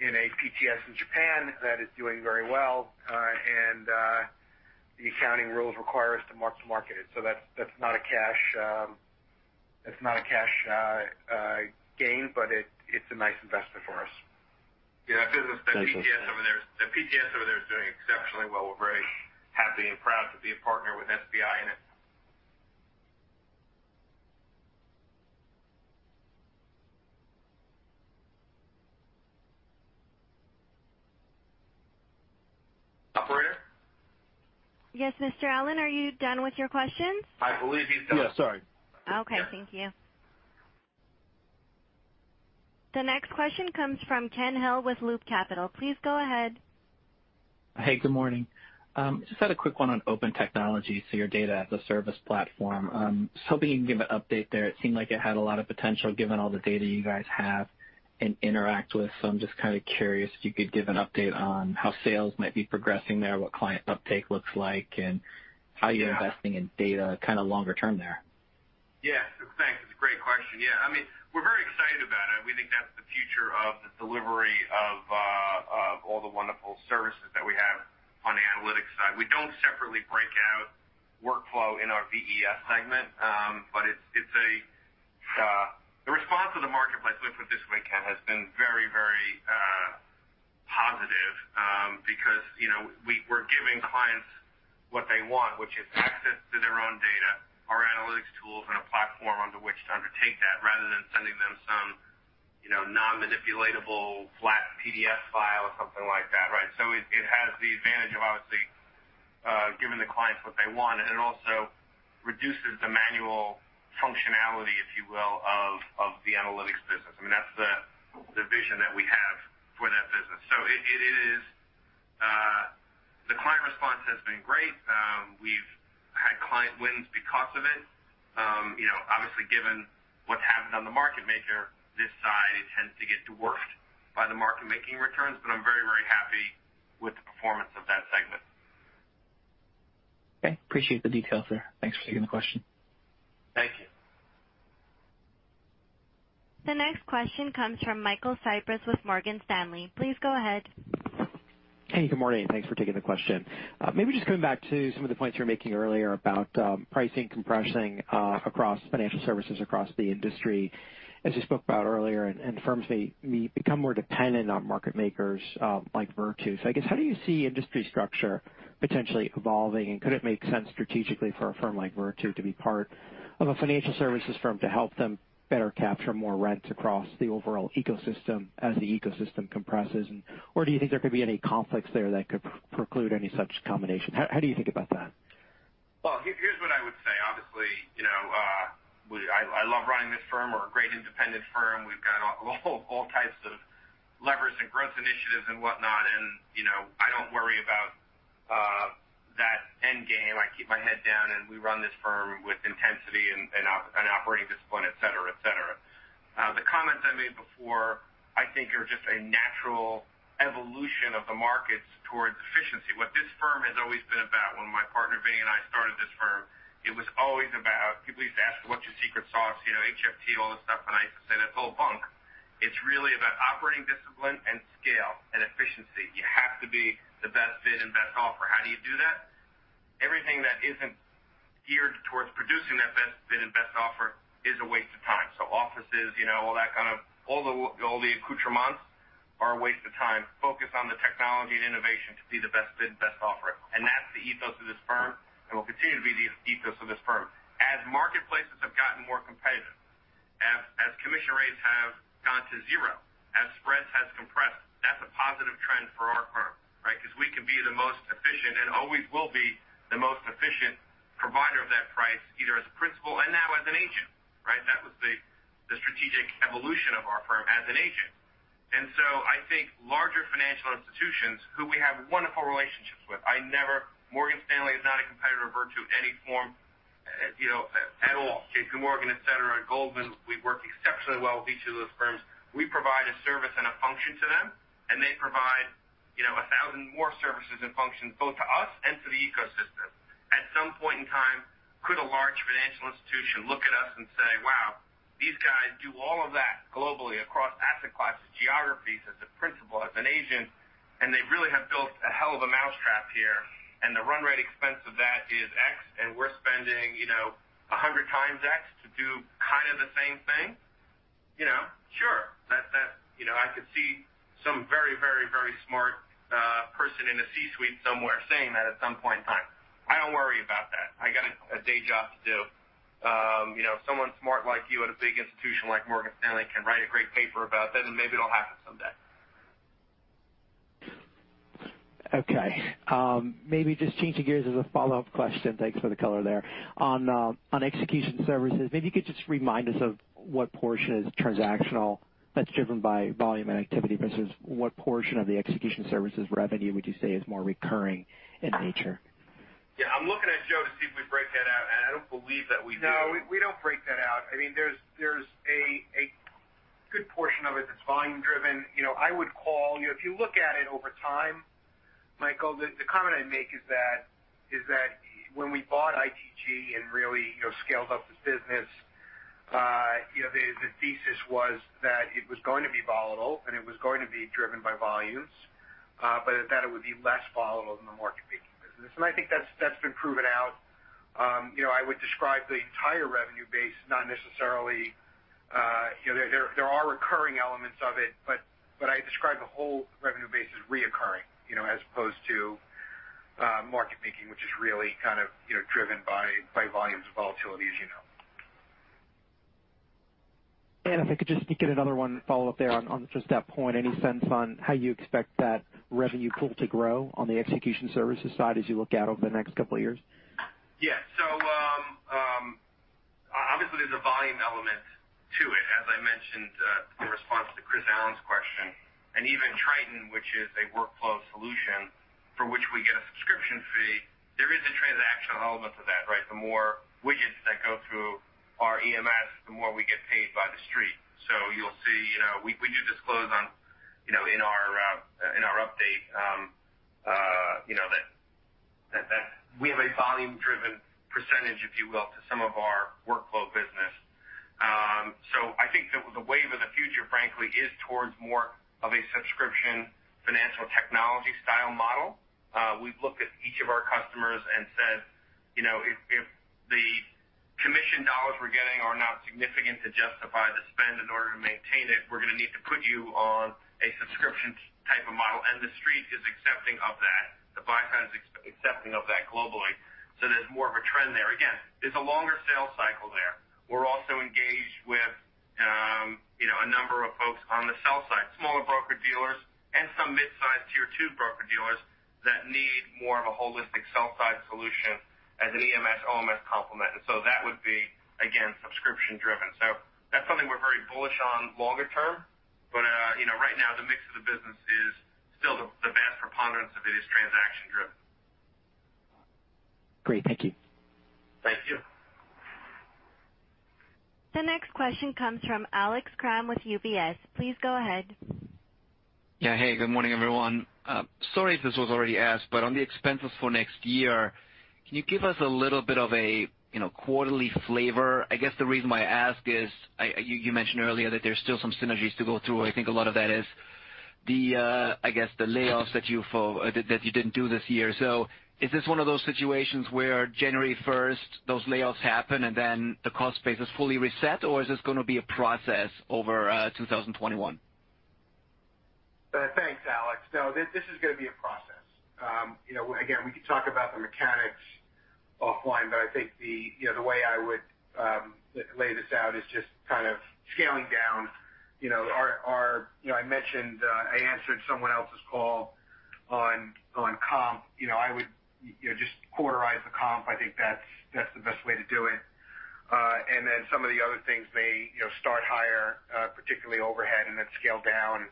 in a PTS in Japan that is doing very well. And the accounting rules require us to mark to market it. So that's not a cash gain, but it's a nice investment for us. Yeah. The PTS over there is doing exceptionally well. We're very happy and proud to be a partner with SBI in it. Operator? Yes, Mr. Allen. Are you done with your questions? I believe he's done. Yeah. Sorry. Okay. Thank you. The next question comes from Ken Hill with Loop Capital. Please go ahead. Hey, good morning. I just had a quick one on Open Technology, so your data as a service platform. I was hoping you can give an update there. It seemed like it had a lot of potential given all the data you guys have and interact with. So I'm just kind of curious if you could give an update on how sales might be progressing there, what client uptake looks like, and how you're investing in data kind of longer term there. Yeah. Thanks. It's a great question. Yeah. I mean, we're very excited about it. We think that's the future of the delivery of all the wonderful services that we have on the analytics side. We don't separately break out workflow in our VES segment, but the response of the marketplace, let me put it this way, Ken, has been very, very positive because we're giving clients what they want, which is access to their own data, our analytics tools, and a platform onto which to undertake that rather than sending them some non-manipulatable flat PDF file or something like that, right? So it has the advantage of obviously giving the clients what they want, and it also reduces the manual functionality, if you will, of the analytics business. I mean, that's the vision that we have for that business. So the client response has been great. We've had client wins because of it. Obviously, given what's happened on the market maker, this side tends to get dwarfed by the market-making returns, but I'm very, very happy with the performance of that segment. Okay. Appreciate the details, sir. Thanks for taking the question. Thank you. The next question comes from Michael Cyprys with Morgan Stanley. Please go ahead. Hey, good morning. Thanks for taking the question. Maybe just coming back to some of the points you were making earlier about pricing compressing across financial services across the industry. As you spoke about earlier, firms may become more dependent on market makers like Virtu. I guess, how do you see industry structure potentially evolving, and could it make sense strategically for a firm like Virtu to be part of a financial services firm to help them better capture more rents across the overall ecosystem as the ecosystem compresses? Or do you think there could be any conflicts there that could preclude any such combination? How do you think about that? Here's what I would say. Obviously, I love running this firm. We're a great independent firm. We've got all types of levers and growth initiatives and whatnot. And I don't worry about that end game. I keep my head down, and we run this firm with intensity and operating discipline, etc., etc. The comments I made before, I think, are just a natural evolution of the markets towards efficiency. What this firm has always been about. When my partner, Vinny, and I started this firm, it was always about people used to ask, "What's your secret sauce?" HFT, all this stuff. And I used to say, "That's all bunk." It's really about operating discipline and scale and efficiency. You have to be the best bid and best offer. How do you do that? Everything that isn't geared towards producing that best bid and best offer is a waste of time. So offices, all that kind of all the accoutrements are a waste of time. Focus on the technology and innovation to be the best bid and best offer, and that's the ethos of this firm, and we'll continue to be the ethos of this firm. As marketplaces have gotten more competitive, as commission rates have gone to zero, as spreads have compressed, that's a positive trend for our firm, right? Because we can be the most efficient and always will be the most efficient provider of that price, either as a principal and now as an agent, right? That was the strategic evolution of our firm as an agent. And so I think larger financial institutions, who we have wonderful relationships with, I never, Morgan Stanley is not a competitor of Virtu in any form at all. J.P. Morgan, etc., Goldman, we work exceptionally well with each of those firms. We provide a service and a function to them, and they provide a thousand more services and functions both to us and to the ecosystem. At some point in time, could a large financial institution look at us and say, "Wow, these guys do all of that globally across asset classes, geographies as a principal, as an agent, and they really have built a hell of a mousetrap here, and the run rate expense of that is X, and we're spending 100 times X to do kind of the same thing?" Sure. I could see some very, very, very smart person in a C-suite somewhere saying that at some point in time. I don't worry about that. I got a day job to do. Someone smart like you at a big institution like Morgan Stanley can write a great paper about that, and maybe it'll happen someday. Okay. Maybe just changing gears as a follow-up question. Thanks for the color there. On execution services, maybe you could just remind us of what portion is transactional that's driven by volume and activity versus what portion of the execution services revenue would you say is more recurring in nature? Yeah. I'm looking at Joe to see if we break that out, and I don't believe that we do. No, we don't break that out. I mean, there's a good portion of it that's volume-driven. I would call, if you look at it over time, Michael, the comment I make is that when we bought ITG and really scaled up the business, the thesis was that it was going to be volatile and it was going to be driven by volumes, but that it would be less volatile than the market-making business, and I think that's been proven out. I would describe the entire revenue base, not necessarily, there are recurring elements of it, but I describe the whole revenue base as recurring as opposed to market-making, which is really kind of driven by volumes and volatility, as you know. If I could just get another follow-up there on just that point, any sense on how you expect that revenue pool to grow on the execution services side as you look out over the next couple of years? Yeah. So obviously, there's a volume element to it, as I mentioned, in response to Chris Allen's question, and even Triton, which is a workflow solution for which we get a subscription fee, there is a transactional element to that, right? The more widgets that go through our EMS, the more we get paid by the street. So you'll see we do disclose in our update that we have a volume-driven percentage, if you will, to some of our workflow business. I think the wave of the future, frankly, is towards more of a subscription financial technology style model. We've looked at each of our customers and said, "If the commission dollars we're getting are not significant to justify the spend in order to maintain it, we're going to need to put you on a subscription type of model." And the street is accepting of that. The buy side is accepting of that globally. So there's more of a trend there. Again, there's a longer sales cycle there. We're also engaged with a number of folks on the sell side, smaller broker dealers and some mid-size tier two broker dealers that need more of a holistic sell-side solution as an EMS, OMS complement. And so that would be, again, subscription-driven. So that's something we're very bullish on longer term. But right now, the mix of the business is still the vast preponderance of it is transaction-driven. Great. Thank you. Thank you. The next question comes from Alex Kramm with UBS. Please go ahead. Yeah. Hey, good morning, everyone. Sorry if this was already asked, but on the expenses for next year, can you give us a little bit of a quarterly flavor? I guess the reason why I ask is you mentioned earlier that there's still some synergies to go through. I think a lot of that is, I guess, the layoffs that you didn't do this year. So is this one of those situations where January 1st, those layoffs happen, and then the cost base is fully reset, or is this going to be a process over 2021? Thanks, Alex. No, this is going to be a process. Again, we could talk about the mechanics offline, but I think the way I would lay this out is just kind of scaling down. I mentioned I answered someone else's call on comp. I would just quarterize the comp. I think that's the best way to do it. And then some of the other things may start higher, particularly overhead, and then scale down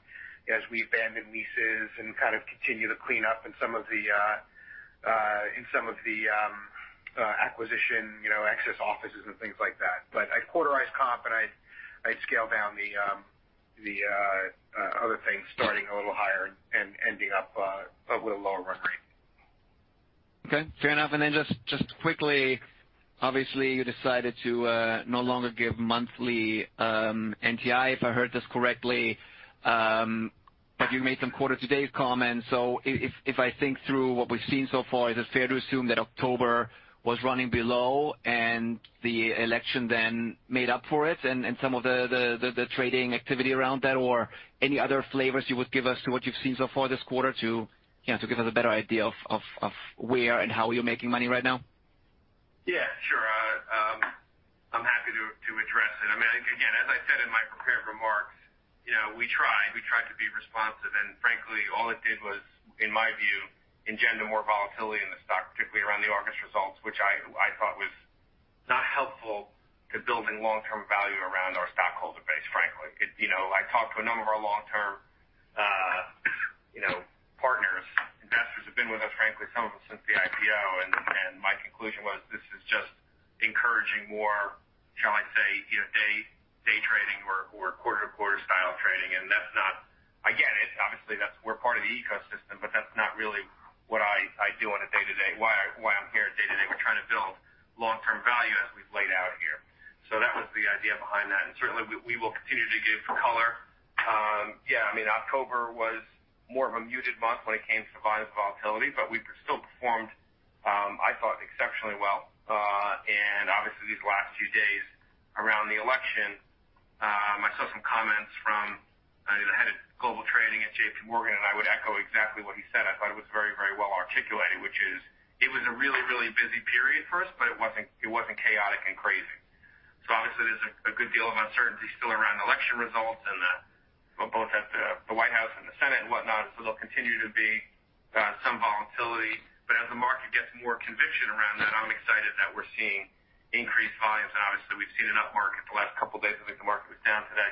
as we abandon leases and kind of continue to clean up in some of the acquisition access offices and things like that. But I'd quarterize comp, and I'd scale down the other things, starting a little higher and ending up with a lower run rate. Okay. Fair enough. And then just quickly, obviously, you decided to no longer give monthly NTI, if I heard this correctly, but you made some quarter-to-date comments. So if I think through what we've seen so far, is it fair to assume that October was running below and the election then made up for it and some of the trading activity around that, or any other flavors you would give us to what you've seen so far this quarter to give us a better idea of where and how you're making money right now? Yeah. Sure. I'm happy to address it. I mean, again, as I said in my prepared remarks, we tried. We tried to be responsive. And frankly, all it did was, in my view, engender more volatility in the stock, particularly around the August results, which I thought was not helpful to building long-term value around our stockholder base, frankly. I talked to a number of our long-term partners. Investors have been with us, frankly, some of them since the IPO. And my conclusion was this is just encouraging more, shall I say, day trading or quarter-to-quarter style trading. And I get it. Obviously, we're part of the ecosystem, but that's not really what I do on a day-to-day, why I'm here day-to-day. We're trying to build long-term value as we've laid out here. So that was the idea behind that. And certainly, we will continue to give color. Yeah. I mean, October was more of a muted month when it came to volume volatility, but we still performed, I thought, exceptionally well. And obviously, these last few days around the election, I saw some comments from the head of global trading at J.P. Morgan, and I would echo exactly what he said. I thought it was very, very well articulated, which is it was a really, really busy period for us, but it wasn't chaotic and crazy. So obviously, there's a good deal of uncertainty still around election results and both at the White House and the Senate and whatnot. And so there'll continue to be some volatility. But as the market gets more conviction around that, I'm excited that we're seeing increased volumes. And obviously, we've seen an upmarket the last couple of days. I think the market was down today.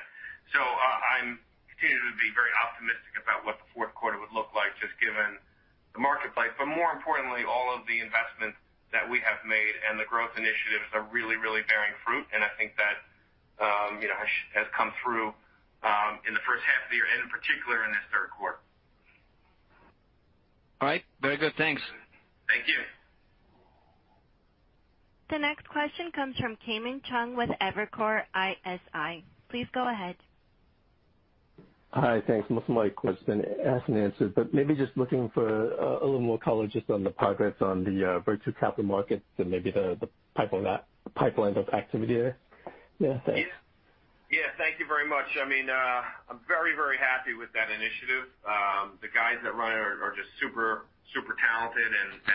So I'm continuing to be very optimistic about what the fourth quarter would look like, just given the marketplace. But more importantly, all of the investments that we have made and the growth initiatives are really, really bearing fruit. And I think that has come through in the first half of the year, and in particular in this third quarter. All right. Very good. Thanks. Thank you. The next question comes from Kiamon Chung with Evercore ISI. Please go ahead. Hi. Thanks. Most of my questions have been asked and answered, but maybe just looking for a little more color just on the progress on the Virtu Capital Markets and maybe the pipeline of activity there. Yeah. Thanks. Yeah. Thank you very much. I mean, I'm very, very happy with that initiative. The guys that run it are just super, super talented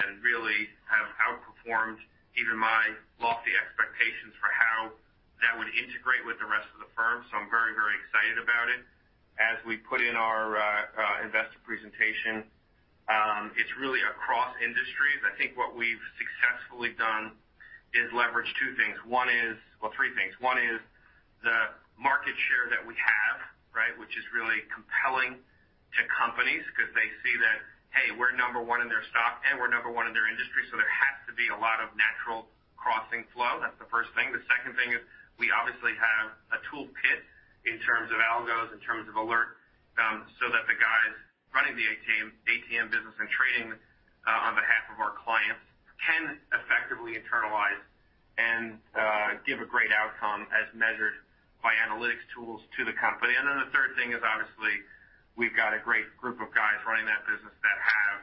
and really have outperformed even my lofty expectations for how that would integrate with the rest of the firm. So I'm very, very excited about it. As we put in our investor presentation, it's really across industries. I think what we've successfully done is leverage two things. Well, three things. One is the market share that we have, right, which is really compelling to companies because they see that, "Hey, we're number one in their stock, and we're number one in their industry." So there has to be a lot of natural crossing flow. That's the first thing. The second thing is we obviously have a toolkit in terms of algos, in terms of alerts, so that the guys running the ATM business and trading on behalf of our clients can effectively internalize and give a great outcome as measured by analytics tools to the company. And then the third thing is obviously we've got a great group of guys running that business that have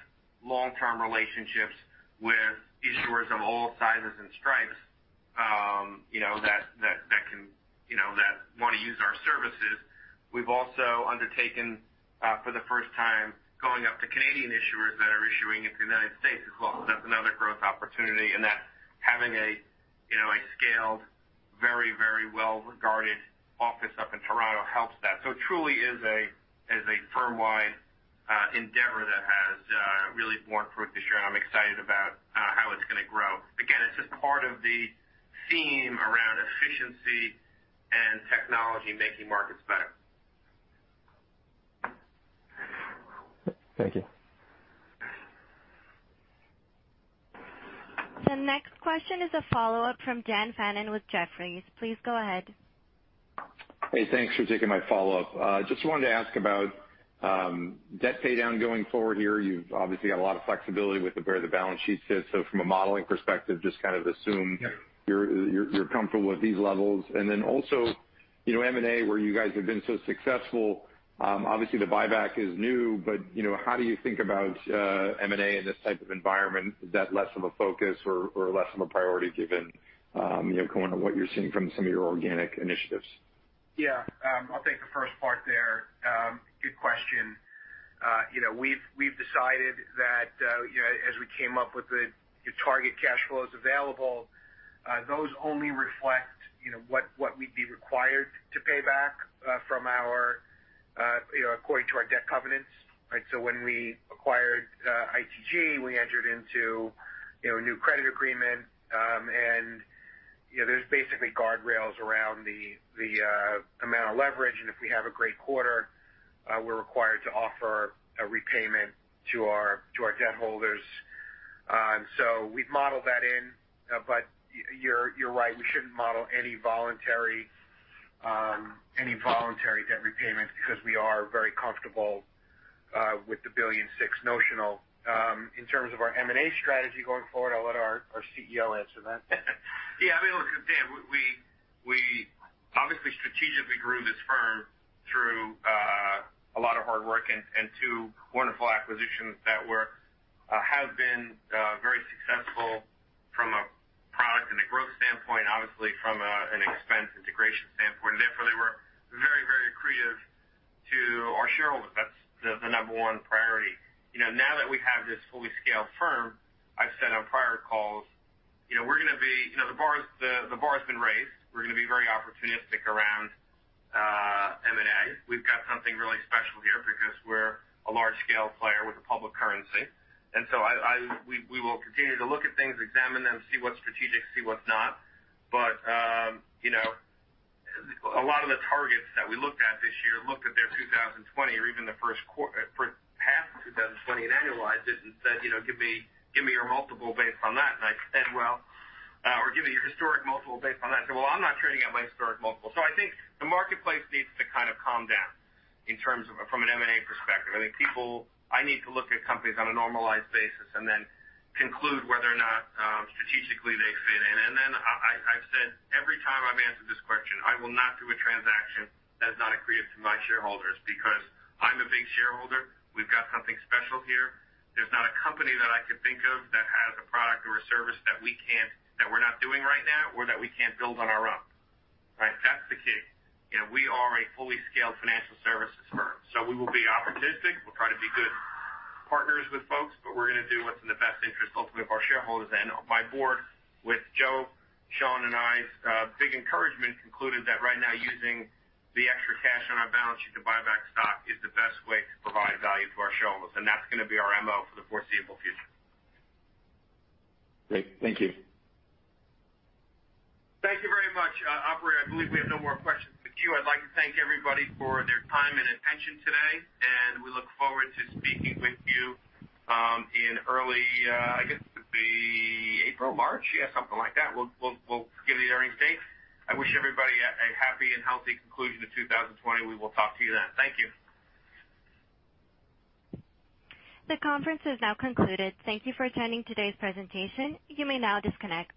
long-term relationships with issuers of all sizes and stripes that want to use our services. We've also undertaken, for the first time, going up to Canadian issuers that are issuing into the United States as well. So that's another growth opportunity. And that having a scaled, very, very well-regarded office up in Toronto helps that. So it truly is a firm-wide endeavor that has really borne fruit this year, and I'm excited about how it's going to grow. Again, it's just part of the theme around efficiency and technology making markets better. Thank you. The next question is a follow-up from Dan Fannon with Jefferies. Please go ahead. Hey, thanks for taking my follow-up. Just wanted to ask about debt pay down going forward here. You've obviously got a lot of flexibility with where the balance sheet sits. So from a modeling perspective, just kind of assume you're comfortable with these levels. And then also M&A, where you guys have been so successful, obviously the buyback is new, but how do you think about M&A in this type of environment? Is that less of a focus or less of a priority given kind of what you're seeing from some of your organic initiatives? Yeah. I'll take the first part there. Good question. We've decided that as we came up with the target cash flows available, those only reflect what we'd be required to pay back from our revolver according to our debt covenants. So when we acquired ITG, we entered into a new credit agreement, and there's basically guardrails around the amount of leverage. And if we have a great quarter, we're required to offer a repayment to our debt holders. And so we've modeled that in. But you're right. We shouldn't model any voluntary debt repayments because we are very comfortable with the $1.6 billion notional. In terms of our M&A strategy going forward, I'll let our CEO answer that. Yeah. I mean, look, Dan, we obviously strategically grew this firm through a lot of hard work and two wonderful acquisitions that have been very successful from a product and a growth standpoint, obviously from an expense integration standpoint. Therefore, they were very, very accretive to our shareholders. That's the number one priority. Now that we have this fully scaled firm, I've said on prior calls, we're going to be. The bar has been raised. We're going to be very opportunistic around M&A. We've got something really special here because we're a large-scale player with a public currency. And so we will continue to look at things, examine them, see what's strategic, see what's not. But a lot of the targets that we looked at this year looked at their 2020 or even the first half of 2020 and annualized it and said, "Give me your multiple based on that." And I said, "Well," or, "Give me your historic multiple based on that." I said, "Well, I'm not trading at my historic multiple." So I think the marketplace needs to kind of calm down from an M&A perspective. I mean, people, I need to look at companies on a normalized basis and then conclude whether or not strategically they fit in. And then I've said every time I've answered this question, I will not do a transaction that is not accretive to my shareholders because I'm a big shareholder. We've got something special here. There's not a company that I could think of that has a product or a service that we can't that we're not doing right now or that we can't build on our own. Right? That's the key. We are a fully scaled financial services firm. So we will be opportunistic. We'll try to be good partners with folks, but we're going to do what's in the best interest ultimately of our shareholders. And my board with Joe, Sean, and my big encouragement concluded that right now, using the extra cash on our balance sheet to buy back stock is the best way to provide value to our shareholders. And that's going to be our MO for the foreseeable future. Great. Thank you. Thank you very much, Aubrey. I believe we have no more questions with you. I'd like to thank everybody for their time and attention today. And we look forward to speaking with you in early, I guess it could be April, March, yeah, something like that. We'll give you the earnings date. I wish everybody a happy and healthy conclusion of 2020. We will talk to you then. Thank you. The conference is now concluded. Thank you for attending today's presentation. You may now disconnect.